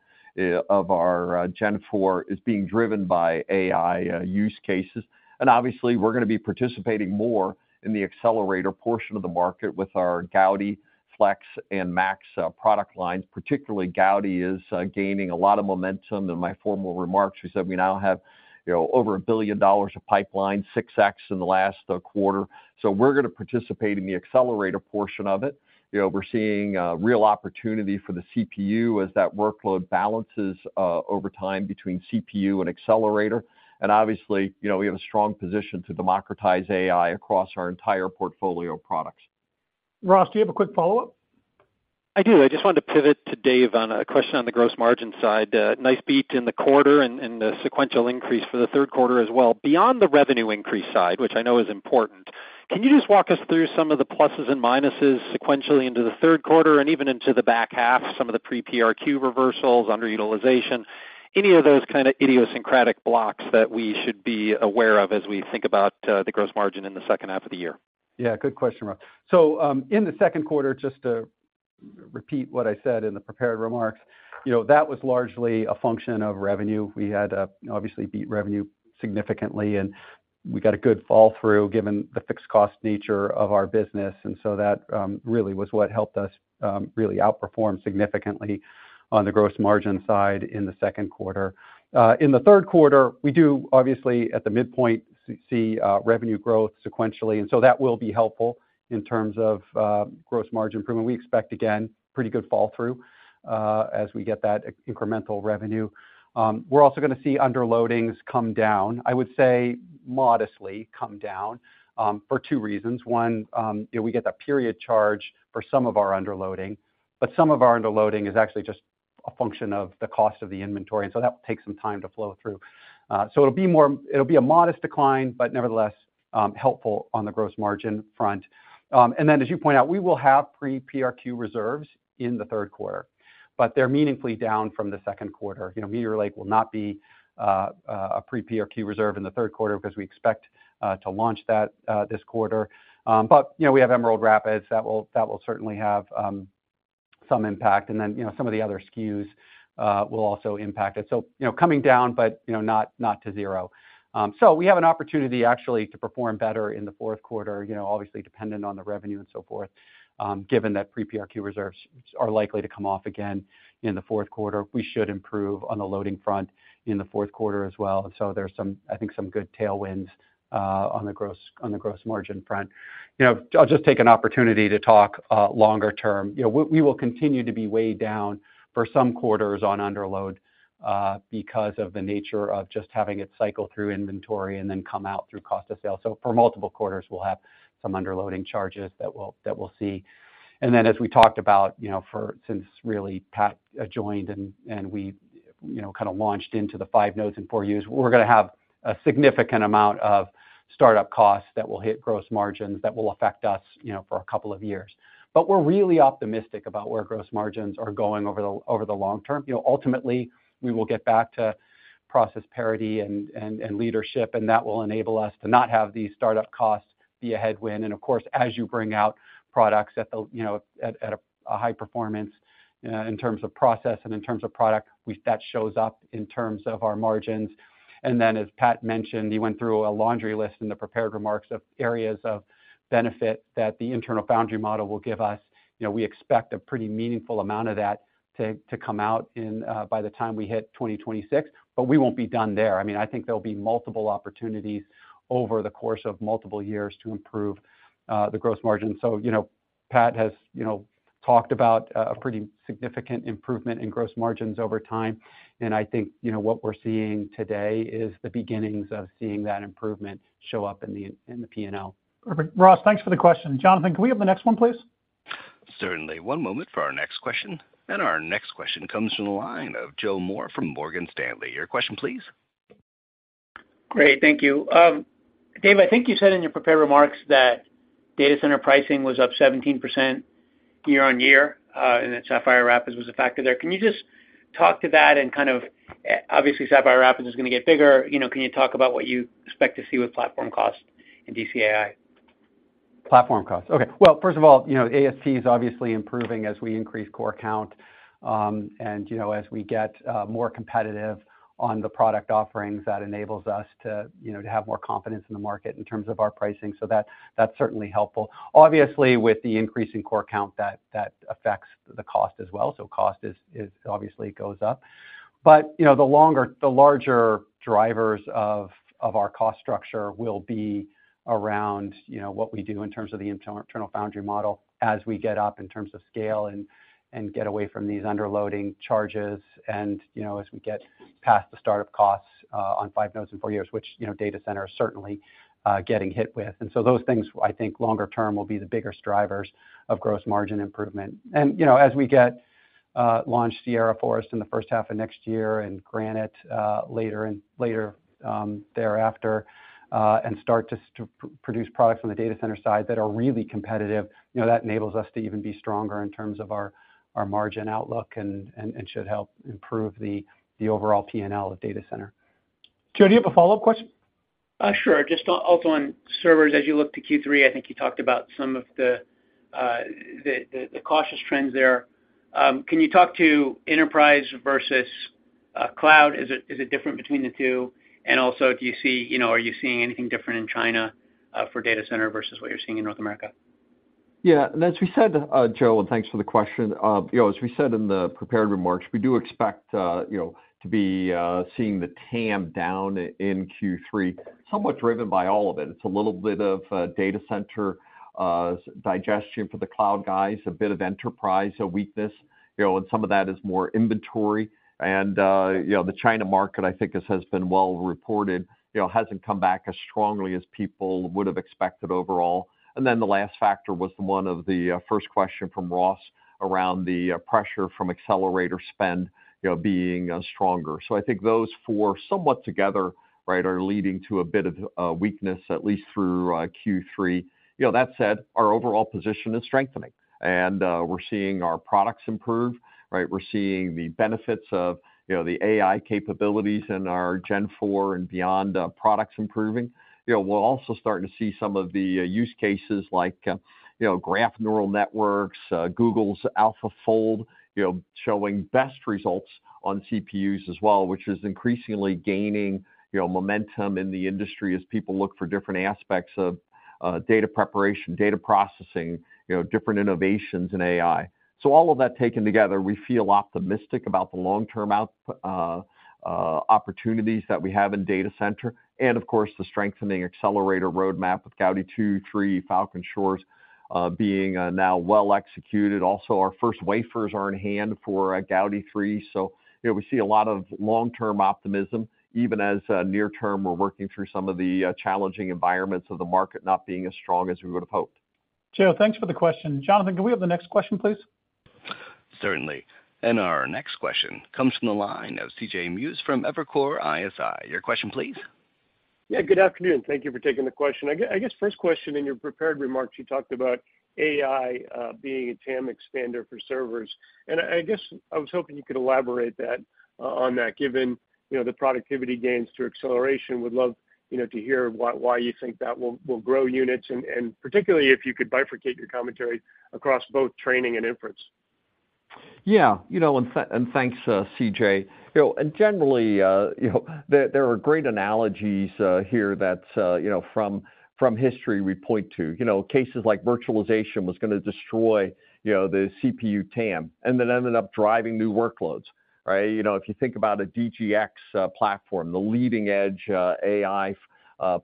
of our Gen4 is being driven by AI use cases. Obviously, we're gonna be participating more in the accelerator portion of the market with our Gaudi, Flex and Max product lines. Particularly, Gaudi is gaining a lot of momentum. In my formal remarks, we said we now have, you know, over $1 billion of pipeline, 6x in the last quarter. We're gonna participate in the accelerator portion of it. You know, we're seeing, real opportunity for the CPU as that workload balances, over time between CPU and accelerator. Obviously, you know, we have a strong position to democratize AI across our entire portfolio of products. Ross, do you have a quick follow-up? I do. I just wanted to pivot to Dave on a question on the gross margin side. Nice beat in the quarter and, and the sequential increase for the Q3 as well. Beyond the revenue increase side, which I know is important, can you just walk us through some of the pluses and minuses sequentially into the Q3 and even into the back half, some of the pre-PRQ reversals, underutilization, any of those kind of idiosyncratic blocks that we should be aware of as we think about the gross margin in the second half of the year? Good question, Ross. In the Q2, just to repeat what I said in the prepared remarks, you know, that was largely a function of revenue. We had, obviously beat revenue significantly, and we got a good fall through, given the fixed cost nature of our business, that really was what helped us really outperform significantly on the gross margin side in the Q2. In the Q3, we do, obviously, at the midpoint, see revenue growth sequentially, that will be helpful in terms of gross margin improvement. We expect, again, pretty good fall through, as we get that incremental revenue. We're also gonna see underloadings come down, I would say modestly come down, for two reasons. One, we get that period charge for some of our underloading, but some of our underloading is actually just a function of the cost of the inventory, so that will take some time to flow through. It'll be a modest decline, but nevertheless, helpful on the gross margin front. Then, as you point out, we will have pre-PRQ reserves in the Q3, but they're meaningfully down from the Q2. You know, Meteor Lake will not be a pre-PRQ reserve in the Q3 because we expect to launch that this quarter. You know, we have Emerald Rapids that will, that will certainly have some impact, then, you know, some of the other SKUs will also impact it. You know, coming down, but, you know, not, not to zero. We have an opportunity actually to perform better in the Q4, you know, obviously dependent on the revenue and so forth. Given that pre-PRQ reserves are likely to come off again in the Q4, we should improve on the loading front in the Q4 as well. There's some, I think, some good tailwinds on the gross, on the gross margin front. You know, I'll just take an opportunity to talk longer term. You know, we will continue to be weighed down for some quarters on underload because of the nature of just having it cycle through inventory and then come out through cost of sale. For multiple quarters, we'll have some underloading charges that we'll, that we'll see. As we talked about, you know, since really Pat joined and, and we, you know, kind of launched into the 5 nodes in 4 years, we're gonna have a significant amount of startup costs that will hit gross margins, that will affect us, you know, for a couple of years. We're really optimistic about where gross margins are going over the, over the long term. You know, ultimately, we will get back to process parity and leadership, and that will enable us to not have these startup costs be a headwind. Of course, as you bring out products, you know, at a high performance, in terms of process and in terms of product, that shows up in terms of our margins. As Pat mentioned, he went through a laundry list in the prepared remarks of areas of benefit that the internal foundry model will give us. You know, we expect a pretty meaningful amount of that to, to come out in, by the time we hit 2026, but we won't be done there. I mean, I think there'll be multiple opportunities over the course of multiple years to improve, the gross margin. You know, Pat has, you know, talked about, a pretty significant improvement in gross margins over time. I think, you know, what we're seeing today is the beginnings of seeing that improvement show up in the, in the P&L. Perfect. Ross, thanks for the question. Jonathan, can we have the next one, please? Certainly. One moment for our next question. Our next question comes from the line of Joe Moore from Morgan Stanley. Your question please. Great, thank you. Dave, I think you said in your prepared remarks that data center pricing was up 17% year-on-year, and that Sapphire Rapids was a factor there. Can you just talk to that and kind of, obviously, Sapphire Rapids is going to get bigger, you know, can you talk about what you expect to see with platform costs in DCAI? Platform costs. Okay. Well, first of all, you know, ASC is obviously improving as we increase core count. You know, as we get more competitive on the product offerings, that enables us to, you know, to have more confidence in the market in terms of our pricing, so that, that's certainly helpful. Obviously, with the increase in core count, that, that affects the cost as well. Cost is obviously goes up. You know, the larger drivers of our cost structure will be around, you know, what we do in terms of the internal foundry model as we get up in terms of scale and get away from these underloading charges. You know, as we get past the start-up costs on 5 nodes in 4 years, which, you know, data center is certainly getting hit with. Those things, I think, longer term, will be the biggest drivers of gross margin improvement. You know, as we get, launch Sierra Forest in the first half of next year and Granite, later and later, thereafter, and start to, to produce products on the data center side that are really competitive, you know, that enables us to even be stronger in terms of our, our margin outlook and, it should help improve the, the overall P&L of data center. Joe, do you have a follow-up question? Sure. Just also on servers, as you look to Q3, I think you talked about some of the, the, the, the cautious trends there. Can you talk to enterprise versus cloud? Is it, is it different between the two? Also, you know, are you seeing anything different in China for data center versus what you're seeing in North America? Yeah, as we said, Joe, and thanks for the question. You know, as we said in the prepared remarks, we do expect, you know, to be seeing the TAM down in Q3, somewhat driven by all of it. It's a little bit of data center digestion for the cloud guys, a bit of enterprise weakness, you know, and some of that is more inventory. You know, the China market, I think, this has been well reported, you know, hasn't come back as strongly as people would have expected overall. Then the last factor was the one of the first question from Ross around the pressure from accelerator spend, you know, being stronger. I think those four, somewhat together, right, are leading to a bit of weakness, at least through Q3. You know, that said, our overall position is strengthening, and we're seeing our products improve, right? We're seeing the benefits of, you know, the AI capabilities in our Gen 4 and beyond products improving. You know, we're also starting to see some of the use cases like, you know, graph neural networks, Google's AlphaFold, you know, showing best results on CPUs as well, which is increasingly gaining, you know, momentum in the industry as people look for different aspects of data preparation, data processing, you know, different innovations in AI. All of that taken together, we feel optimistic about the long-term opportunities that we have in data center, and of course, the strengthening accelerator roadmap with Gaudi 2, 3, Falcon Shores being now well executed. Also, our first wafers are in hand for Gaudi 3. You know, we see a lot of long-term optimism, even as, near term, we're working through some of the challenging environments of the market not being as strong as we would have hoped. Joe, thanks for the question. Jonathan, can we have the next question, please? Certainly. Our next question comes from the line of CJ Muse from Evercore ISI. Your question please. Yeah, good afternoon. Thank you for taking the question. I guess first question, in your prepared remarks, you talked about AI being a TAM expander for servers. I guess I was hoping you could elaborate that on that, given, you know, the productivity gains through acceleration. Would love, you know, to hear why, why you think that will, will grow units, and, and particularly if you could bifurcate your commentary across both training and inference. Yeah, you know, and thanks, CJ. You know, generally, you know, there, there are great analogies here that's, you know, from, from history we point to. You know, cases like virtualization was going to destroy, you know, the CPU TAM, and then ended up driving new workloads, right? You know, if you think about a DGX platform, the leading edge AI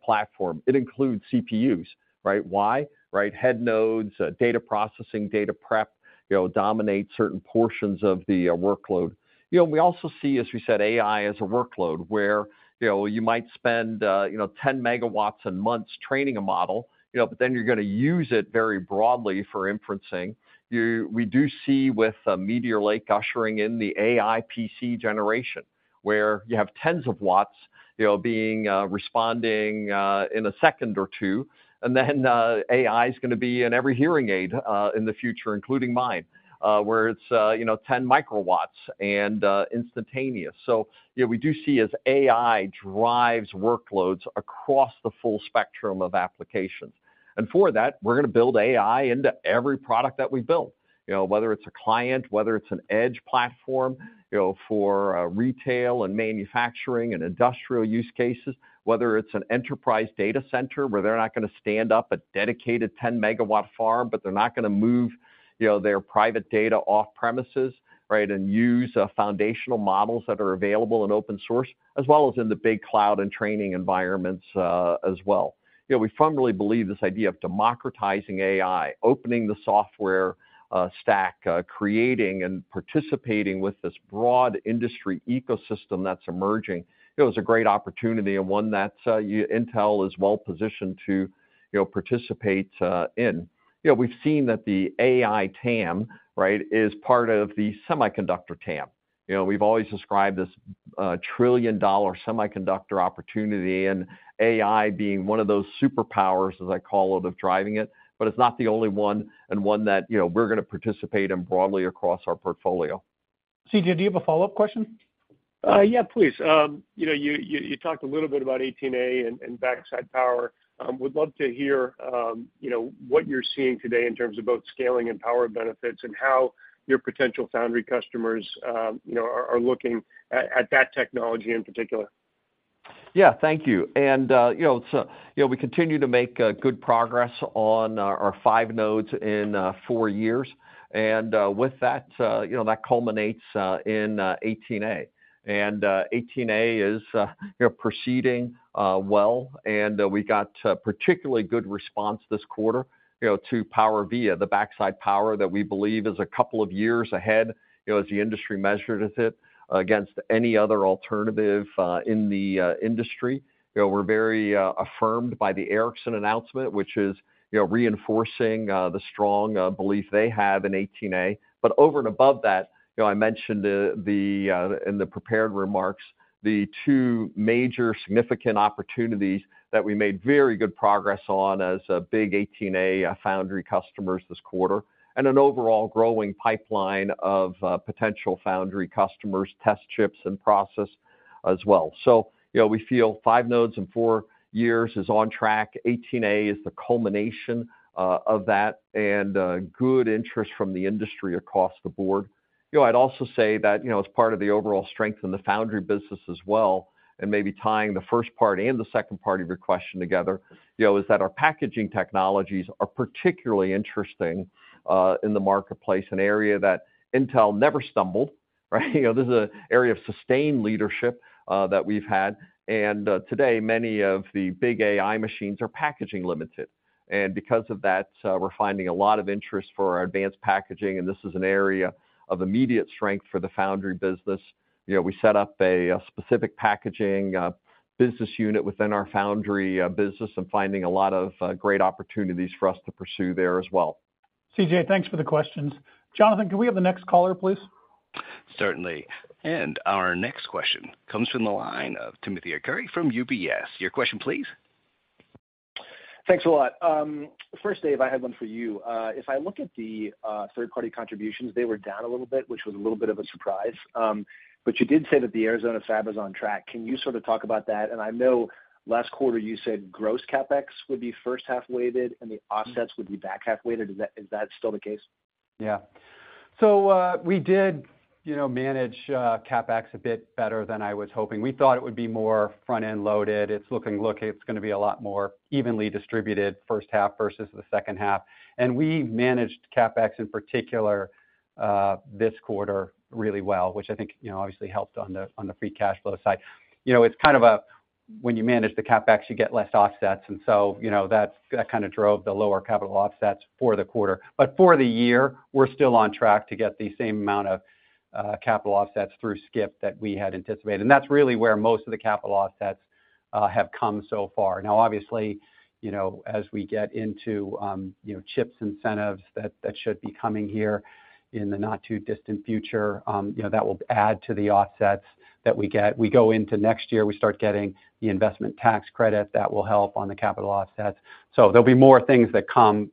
platform, it includes CPUs, right? Why? Right, head nodes, data processing, data prep, you know, dominate certain portions of the workload. You know, we also see, as we said, AI as a workload, where, you know, you might spend, you know, 10 MW and months training a model, you know, but then you're going to use it very broadly for inferencing. You- we do see with Meteor Lake ushering in the AI PC generation, where you have 10s of W, you know, being, responding, in 1 or 2 seconds, and then, AI is going to be in every hearing aid, in the future, including mine, where it's, you know, 10 µW and, instantaneous. You know, we do see as AI drives workloads across the full spectrum of applications.... For that, we're going to build AI into every product that we build. You know, whether it's a client, whether it's an edge platform, you know, for, retail and manufacturing and industrial use cases, whether it's an enterprise data center, where they're not going to stand up a dedicated 10-MW farm, but they're not going to move, you know, their private data off premises, right? Use foundational models that are available in open source, as well as in the big cloud and training environments, as well. You know, we firmly believe this idea of democratizing AI, opening the software stack, creating and participating with this broad industry ecosystem that's emerging, it was a great opportunity and one that Intel is well positioned to, you know, participate in. You know, we've seen that the AI TAM, right, is part of the semiconductor TAM. You know, we've always described this $1 trillion semiconductor opportunity and AI being one of those Superpowers, as I call it, of driving it, but it's not the only one, and one that, you know, we're going to participate in broadly across our portfolio. CJ, do you have a follow-up question? Yeah, please. You know, you, you, you talked a little bit about 18A and, and backside power. Would love to hear, you know, what you're seeing today in terms of both scaling and power benefits and how your potential foundry customers, you know, are, are looking at, at that technology in particular. Thank you. You know, so, you know, we continue to make good progress on our 5 nodes in 4 years. With that, you know, that culminates in 18A. 18A is, you know, proceeding well, and we got a particularly good response this quarter, you know, to PowerVia, the backside power that we believe is a couple of years ahead, you know, as the industry measured it, against any other alternative in the industry. You know, we're very affirmed by the Ericsson announcement, which is, you know, reinforcing the strong belief they have in 18A. Over and above that, you know, I mentioned the, the, in the prepared remarks, the two major significant opportunities that we made very good progress on as a big 18A foundry customers this quarter, and an overall growing pipeline of potential foundry customers, test chips, and process as well. You know, we feel 5 nodes in 4 years is on track. 18A is the culmination of that and good interest from the industry across the board. You know, I'd also say that, you know, as part of the overall strength in the foundry business as well, and maybe tying the first part and the second part of your question together, you know, is that our packaging technologies are particularly interesting in the marketplace, an area that Intel never stumbled, right? You know, this is an area of sustained leadership that we've had. Today, many of the big AI machines are packaging limited, and because of that, we're finding a lot of interest for our advanced packaging, and this is an area of immediate strength for the foundry business. You know, we set up a specific packaging business unit within our foundry business and finding a lot of great opportunities for us to pursue there as well. CJ, thanks for the questions. Jonathan, can we have the next caller, please? Certainly. Our next question comes from the line of Timothy Arcuri from UBS. Your question, please. Thanks a lot. First, Dave, I had 1 for you. If I look at the third-party contributions, they were down a little bit, which was a little bit of a surprise. You did say that the Arizona fab is on track. Can you sort of talk about that? I know last quarter you said gross CapEx would be first half weighted and the offsets would be back half weighted. Is that, is that still the case? Yeah. We did, you know, manage CapEx a bit better than I was hoping. We thought it would be more front-end loaded. It's looking like it's going to be a lot more evenly distributed first half versus the second half. We managed CapEx, in particular, this quarter really well, which I think, you know, obviously helped on the, on the free cash flow side. You know, it's kind of a, when you manage the CapEx, you get less offsets, and so, you know, that kind of drove the lower capital offsets for the quarter. For the year, we're still on track to get the same amount of capital offsets through SCIP that we had anticipated, and that's really where most of the capital offsets have come so far. Obviously, you know, as we get into, you know, chips incentives that, that should be coming here in the not-too-distant future, you know, that will add to the offsets that we get. We go into next year, we start getting the investment tax credit, that will help on the capital offsets. There'll be more things that come,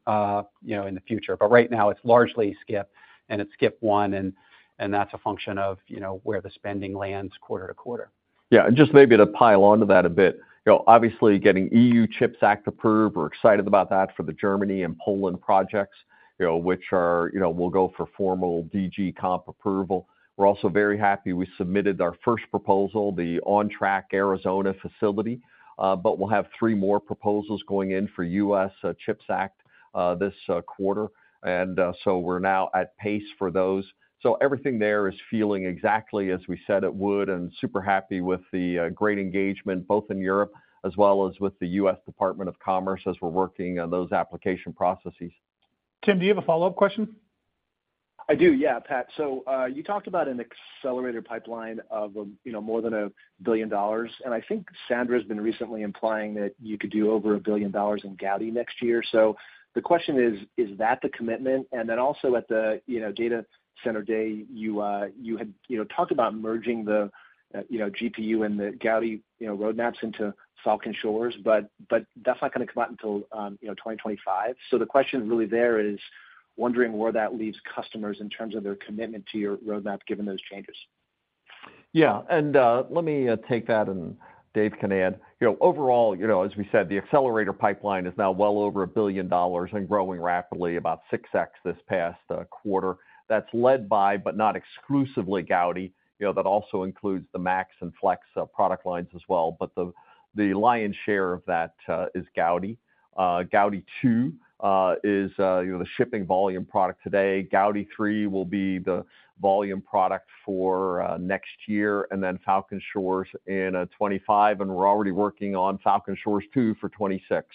you know, in the future, but right now it's largely SCIP, and it's SCIP1, and, and that's a function of, you know, where the spending lands quarter-to-quarter. Yeah, just maybe to pile onto that a bit. You know, obviously, getting EU Chips Act approved, we're excited about that for the Germany and Poland projects. You know, we'll go for formal DG COMP approval. We're also very happy we submitted our first proposal, the on-track Arizona facility, but we'll have 3 more proposals going in for U.S. CHIPS Act this quarter. We're now at pace for those. Everything there is feeling exactly as we said it would, and super happy with the great engagement, both in Europe as well as with the US Department of Commerce, as we're working on those application processes. Tim, do you have a follow-up question? I do. Yeah, Pat. You talked about an accelerated pipeline of, you know, more than $1 billion, I think Sandra's been recently implying that you could do over $1 billion in Gaudi next year. The question is: Is that the commitment? Then also at the, you know, data center day, you had, you know, talked about merging the, you know, GPU and the Gaudi, you know, roadmaps into Falcon Shores, but that's not going to come out until, you know, 2025. The question really there is wondering where that leaves customers in terms of their commitment to your roadmap, given those changes? Yeah, let me take that, and Dave can add. You know, overall, you know, as we said, the accelerator pipeline is now well over $1 billion and growing rapidly, about 6x this past quarter. That's led by, but not exclusively, Gaudi. You know, that also includes the Max and Flex product lines as well. The lion's share of that is Gaudi. Gaudi 2 is, you know, the shipping volume product today. Gaudi 3 will be the volume product for next year, and then Falcon Shores in 2025, and we're already working on Falcon Shores 2 for 2026.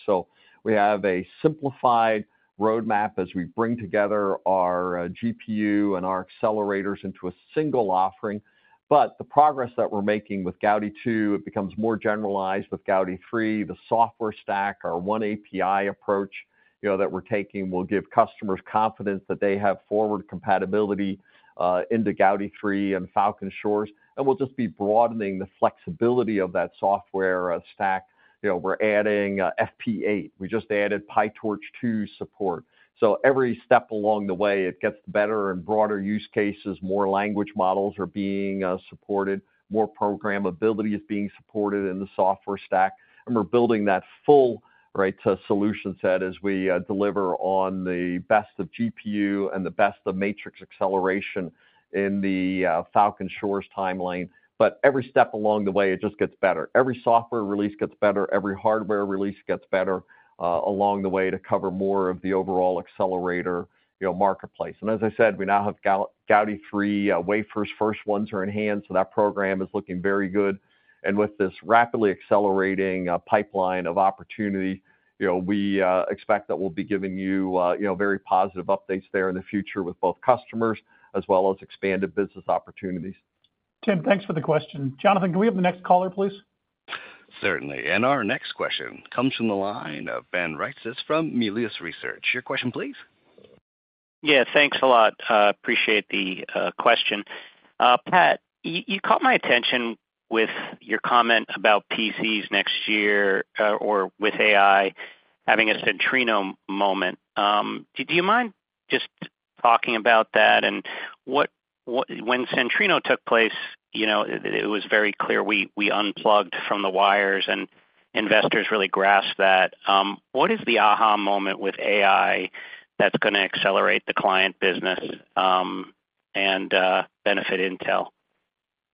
We have a simplified roadmap as we bring together our GPU and our accelerators into a single offering. The progress that we're making with Gaudi 2, it becomes more generalized with Gaudi 3. The software stack, our oneAPI approach, you know, that we're taking, will give customers confidence that they have forward compatibility into Gaudi 3 and Falcon Shores, and we'll just be broadening the flexibility of that software stack. You know, we're adding FP8. We just added PyTorch 2 support. Every step along the way, it gets better and broader use cases, more language models are being supported, more programmability is being supported in the software stack, and we're building that full right to solution set as we deliver on the best of GPU and the best of matrix acceleration in the Falcon Shores timeline. Every step along the way, it just gets better. Every software release gets better, every hardware release gets better along the way to cover more of the overall accelerator, you know, marketplace. As I said, we now have Gaudi 3 wafers, first ones are in hand, so that program is looking very good. With this rapidly accelerating pipeline of opportunity, you know, we expect that we'll be giving you, you know, very positive updates there in the future with both customers as well as expanded business opportunities. Tim, thanks for the question. Jonathan, can we have the next caller, please? Certainly. Our next question comes from the line of Ben Reitzes from Melius Research. Your question, please. Yeah, thanks a lot. Appreciate the question. Pat, you caught my attention with your comment about PCs next year, or with AI having a Centrino moment. Do, do you mind just talking about that, and when Centrino took place, you know, it, it was very clear we, we unplugged from the wires, and investors really grasped that. What is the aha moment with AI that's gonna accelerate the client business, and benefit Intel?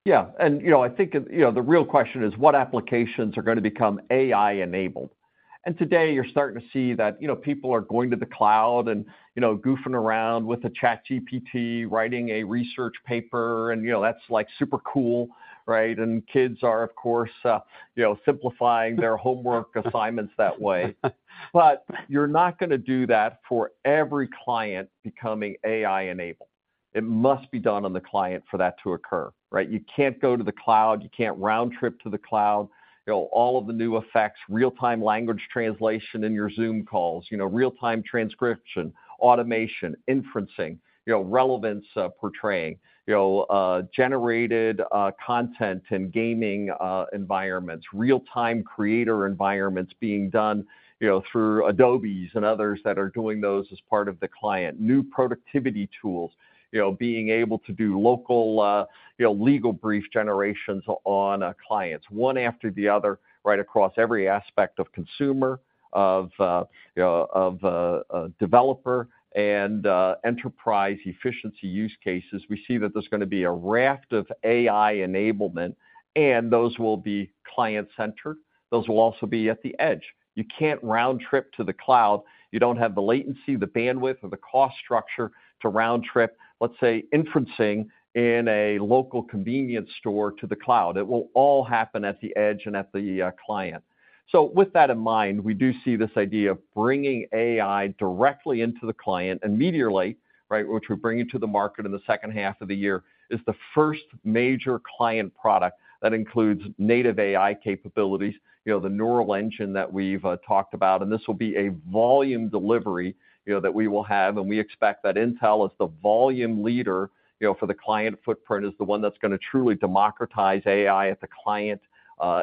Yeah, you know, I think, you know, the real question is what applications are gonna become AI-enabled? Today, you're starting to see that, you know, people are going to the cloud and, you know, goofing around with the ChatGPT, writing a research paper, and, you know, that's, like, super cool, right? Kids are, of course, you know, simplifying their homework assignments that way. You're not gonna do that for every client becoming AI-enabled. It must be done on the client for that to occur, right? You can't go to the cloud, you can't round trip to the cloud. You know, all of the new effects, real-time language translation in your Zoom calls, you know, real-time transcription, automation, inferencing, you know, relevance, portraying, you know, generated, content and gaming environments, real-time creator environments being done, you know, through Adobes and others that are doing those as part of the client. New productivity tools, you know, being able to do local, you know, legal brief generations on clients, one after the other, right across every aspect of consumer, of, you know, of, a developer and enterprise efficiency use cases. We see that there's gonna be a raft of AI enablement, and those will be client-centered. Those will also be at the edge. You can't round trip to the cloud. You don't have the latency, the bandwidth, or the cost structure to round trip, let's say, inferencing in a local convenience store to the cloud. It will all happen at the edge and at the client. With that in mind, we do see this idea of bringing AI directly into the client and Meteor Lake, right, which we're bringing to the market in the second half of the year, is the first major client product that includes native AI capabilities, you know, the neural engine that we've talked about. This will be a volume delivery, you know, that we will have, and we expect that Intel, as the volume leader, you know, for the client footprint, is the one that's gonna truly democratize AI at the client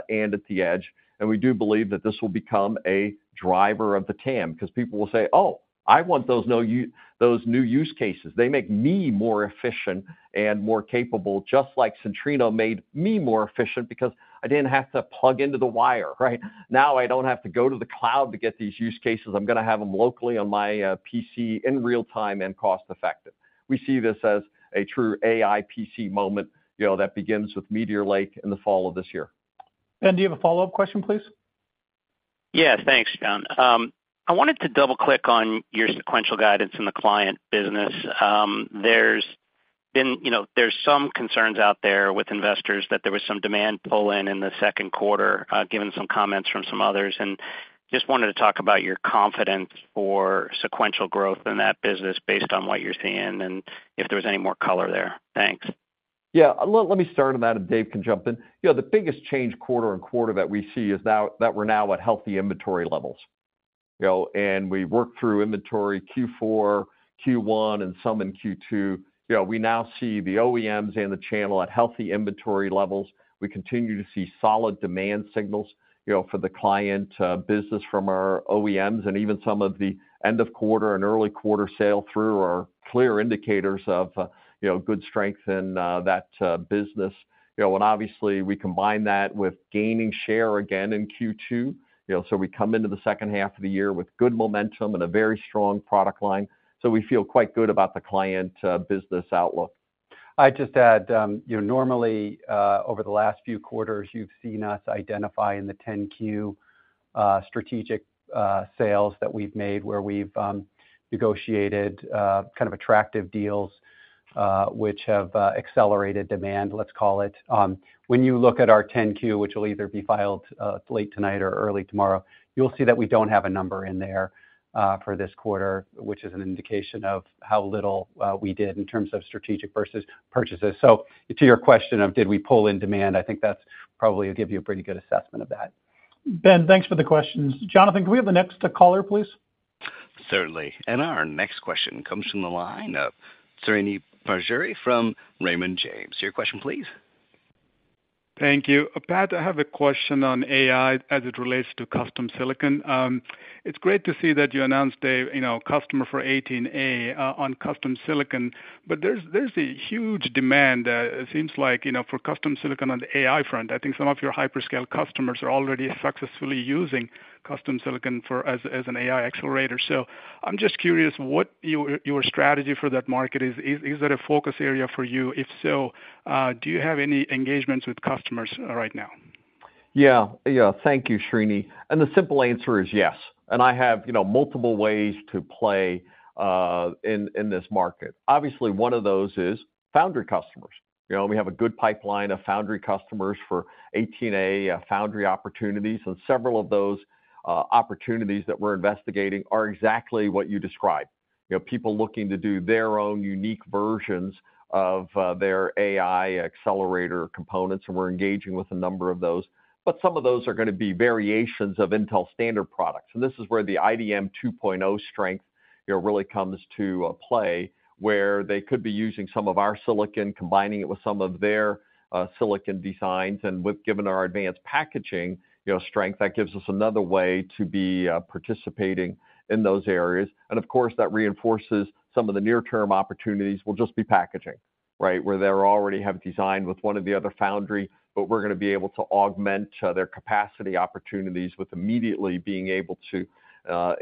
and at the edge. We do believe that this will become a driver of the TAM because people will say, "Oh, I want those new use cases. They make me more efficient and more capable, just like Centrino made me more efficient because I didn't have to plug into the wire," right? "Now, I don't have to go to the cloud to get these use cases. I'm gonna have them locally on my PC in real time and cost-effective." We see this as a true AI PC moment, you know, that begins with Meteor Lake in the fall of this year. Ben, do you have a follow-up question, please? Yeah. Thanks, John. I wanted to double-click on your sequential guidance in the client business. You know, there's some concerns out there with investors that there was some demand pull-in in the Q2, given some comments from some others. Just wanted to talk about your confidence for sequential growth in that business based on what you're seeing, and if there was any more color there? Thanks. Yeah. Let, let me start on that, and Dave can jump in. You know, the biggest change quarter and quarter that we see is now that we're now at healthy inventory levels. You know, we worked through inventory Q4, Q1, and some in Q2. You know, we now see the OEMs and the channel at healthy inventory levels. We continue to see solid demand signals, you know, for the client business from our OEMs, and even some of the end-of-quarter and early quarter sale through are clear indicators of, you know, good strength in that business. You know, obviously, we combine that with gaining share again in Q2, you know, so we come into the second half of the year with good momentum and a very strong product line. We feel quite good about the client business outlook. I'd just add, you know, normally, over the last few quarters, you've seen us identify in the 10-Q, strategic sales that we've made where we've negotiated kind of attractive deals, which have accelerated demand, let's call it. When you look at our 10-Q, which will either be filed late tonight or early tomorrow, you'll see that we don't have a number in there for this quarter, which is an indication of how little we did in terms of strategic versus purchases. To your question of did we pull in demand, I think that's probably give you a pretty good assessment of that. Ben, thanks for the questions. Jonathan, can we have the next caller, please? Certainly. Our next question comes from the line of Srini Pajjuri from Raymond James. Your question, please. Thank you. Pat, I have a question on AI as it relates to custom silicon. It's great to see that you announced a, you know, customer for 18A, on custom silicon, but there's, there's a huge demand, it seems like, you know, for custom silicon on the AI front. I think some of your hyperscale customers are already successfully using custom silicon for, as, as an AI accelerator. I'm just curious what your, your strategy for that market is. Is, is that a focus area for you? If so, do you have any engagements with customers, right now? Yeah, yeah. Thank you, Srini. The simple answer is yes, and I have, you know, multiple ways to play in, in this market. Obviously, one of those is foundry customers. You know, we have a good pipeline of foundry customers for 18A, foundry opportunities, and several of those opportunities that we're investigating are exactly what you described. You know, people looking to do their own unique versions of their AI accelerator components, and we're engaging with a number of those. Some of those are gonna be variations of Intel standard products, and this is where the IDM 2.0 strength, you know, really comes to play, where they could be using some of our silicon, combining it with some of their silicon designs. Given our advanced packaging, you know, strength, that gives us another way to be participating in those areas. Of course, that reinforces some of the near-term opportunities will just be packaging, right? Where they're already have designed with one of the other foundry, but we're going to be able to augment their capacity opportunities with immediately being able to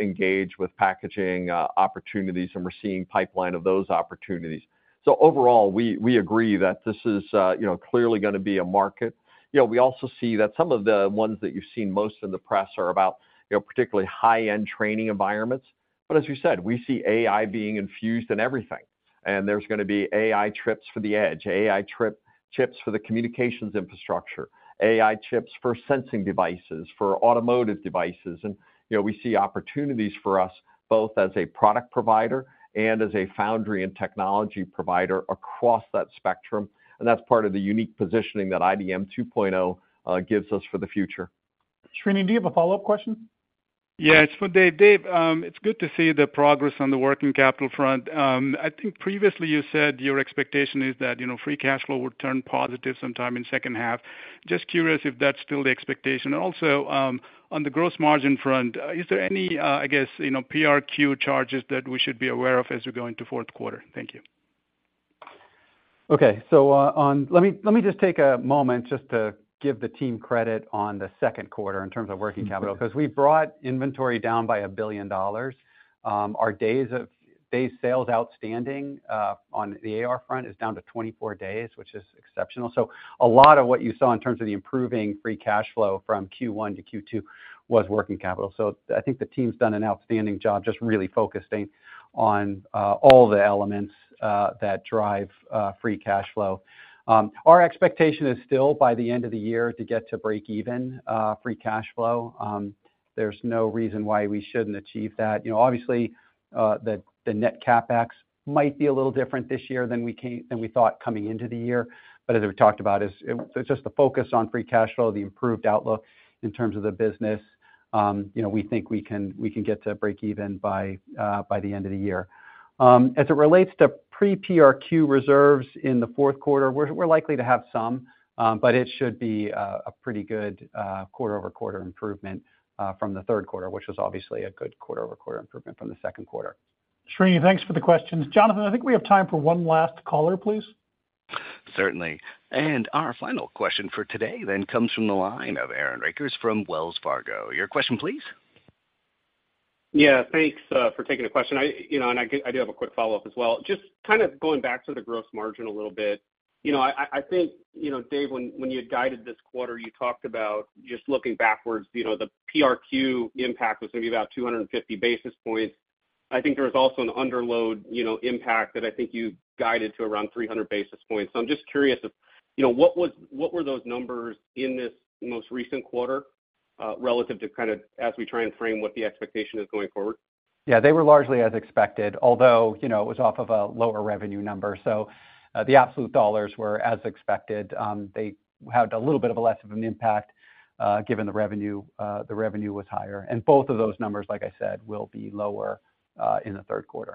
engage with packaging opportunities, and we're seeing pipeline of those opportunities. Overall, we, we agree that this is, you know, clearly going to be a market. You know, we also see that some of the ones that you've seen most in the press are about, you know, particularly high-end training environments. As you said, we see AI being infused in everything, and there's going to be AI chips for the edge, AI chips for the communications infrastructure, AI chips for sensing devices, for automotive devices. You know, we see opportunities for us, both as a product provider and as a foundry and technology provider across that spectrum, and that's part of the unique positioning that IDM 2.0 gives us for the future. Srini, do you have a follow-up question? Yeah, it's for Dave. Dave, it's good to see the progress on the working capital front. I think previously you said your expectation is that, you know, free cash flow would turn positive sometime in second half. Just curious if that's still the expectation. Also, on the gross margin front, is there any, I guess, you know, PRQ charges that we should be aware of as we go into Q4? Thank you. Let me, let me just take a moment just to give the team credit on the Q2 in terms of working capital, because we brought inventory down by $1 billion. Our day sales outstanding on the AR front is down to 24 days, which is exceptional. A lot of what you saw in terms of the improving free cash flow from Q1 to Q2 was working capital. I think the team's done an outstanding job just really focusing on all the elements that drive free cash flow. Our expectation is still by the end of the year, to get to break even free cash flow. There's no reason why we shouldn't achieve that. You know, obviously, the net CapEx might be a little different this year than we thought coming into the year. As we talked about, it's just the focus on free cash flow, the improved outlook in terms of the business. You know, we think we can get to break even by the end of the year. As it relates to pre-PRQ reserves in the Q4, we're likely to have some. It should be a pretty good quarter-over-quarter improvement from the Q3, which was obviously a good quarter-over-quarter improvement from the Q2. Srini, thanks for the questions. Jonathan, I think we have time for one last caller, please. Certainly. Our final question for today then comes from the line of Aaron Rakers from Wells Fargo. Your question, please. Yeah, thanks for taking the question. I, you know, I do have a quick follow-up as well. Just kind of going back to the gross margin a little bit. You know, I, I, I think, you know, Dave, when you guided this quarter, you talked about just looking backwards, you know, the PRQ impact was going to be about 250 basis points. I think there was also an underload, you know, impact that I think you guided to around 300 basis points. I'm just curious if, you know, what was-- what were those numbers in this most recent quarter relative to kind of as we try and frame what the expectation is going forward? Yeah, they were largely as expected, although, you know, it was off of a lower revenue number. The absolute dollars were as expected. They had a little bit of a less of an impact, given the revenue, the revenue was higher. Both of those numbers, like I said, will be lower, in the Q3.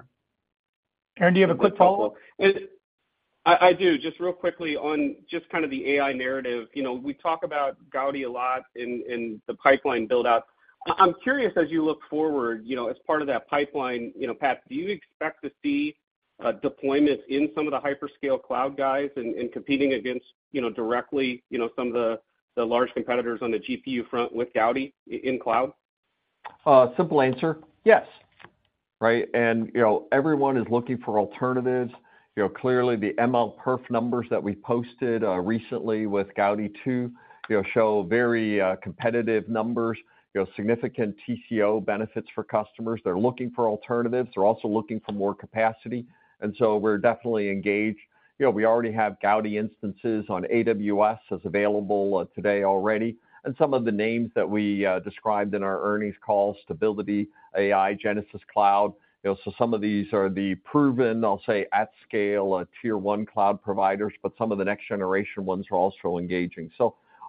Aaron, do you have a quick follow-up? I, I do. Just real quickly on just kind of the AI narrative. You know, we talk about Gaudi a lot in, in the pipeline build-out. I'm curious, as you look forward, you know, as part of that pipeline, you know, Pat, do you expect to see deployments in some of the hyperscale cloud guys and, and competing against, you know, directly, you know, some of the, the large competitors on the GPU front with Gaudi in cloud? Simple answer, yes, right? You know, everyone is looking for alternatives. You know, clearly, the MLPerf numbers that we posted recently with Gaudi 2, you know, show very competitive numbers. You know, significant TCO benefits for customers. They're looking for alternatives. They're also looking for more capacity, and so we're definitely engaged. You know, we already have Gaudi instances on AWS, that's available today already, and some of the names that we described in our earnings call, Stability AI, Genesis Cloud. You know, so some of these are the proven, I'll say, at scale, tier one cloud providers, but some of the next-generation ones are also engaging.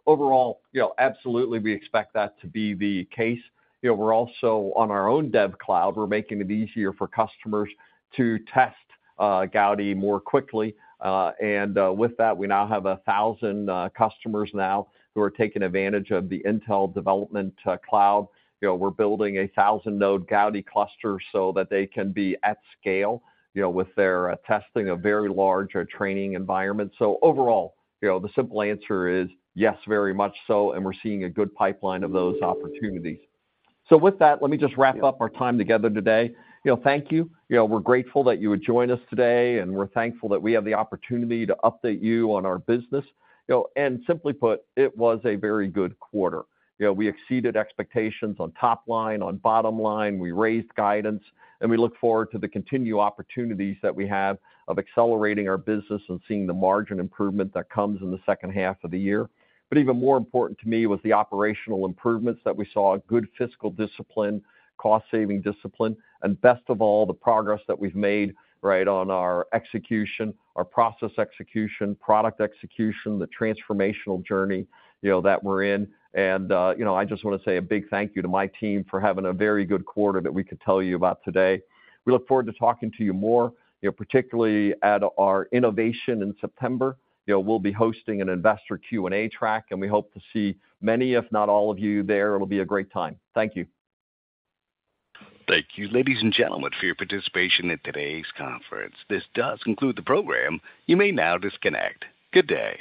Overall, you know, absolutely we expect that to be the case. You know, we're also on our own dev cloud. We're making it easier for customers to test Gaudi more quickly, and with that, we now have 1,000 customers now who are taking advantage of the Intel Development Cloud. You know, we're building a 1,000-node Gaudi cluster so that they can be at scale, you know, with their testing a very large training environment. Overall, you know, the simple answer is yes, very much so, and we're seeing a good pipeline of those opportunities. With that, let me just wrap up our time together today. You know, thank you. You know, we're grateful that you would join us today, and we're thankful that we have the opportunity to update you on our business. You know, simply put, it was a very good quarter. You know, we exceeded expectations on top line, on bottom line. We raised guidance, and we look forward to the continued opportunities that we have of accelerating our business and seeing the margin improvement that comes in the second half of the year. Even more important to me was the operational improvements that we saw, good fiscal discipline, cost-saving discipline, and best of all, the progress that we've made, right, on our execution, our process execution, product execution, the transformational journey, you know, that we're in. You know, I just want to say a big thank you to my team for having a very good quarter that we could tell you about today. We look forward to talking to you more, you know, particularly at our innovation in September. You know, we'll be hosting an investor Q&A track, and we hope to see many, if not all of you there. It'll be a great time. Thank you. Thank you, ladies and gentlemen, for your participation in today's conference. This does conclude the program. You may now disconnect. Good day!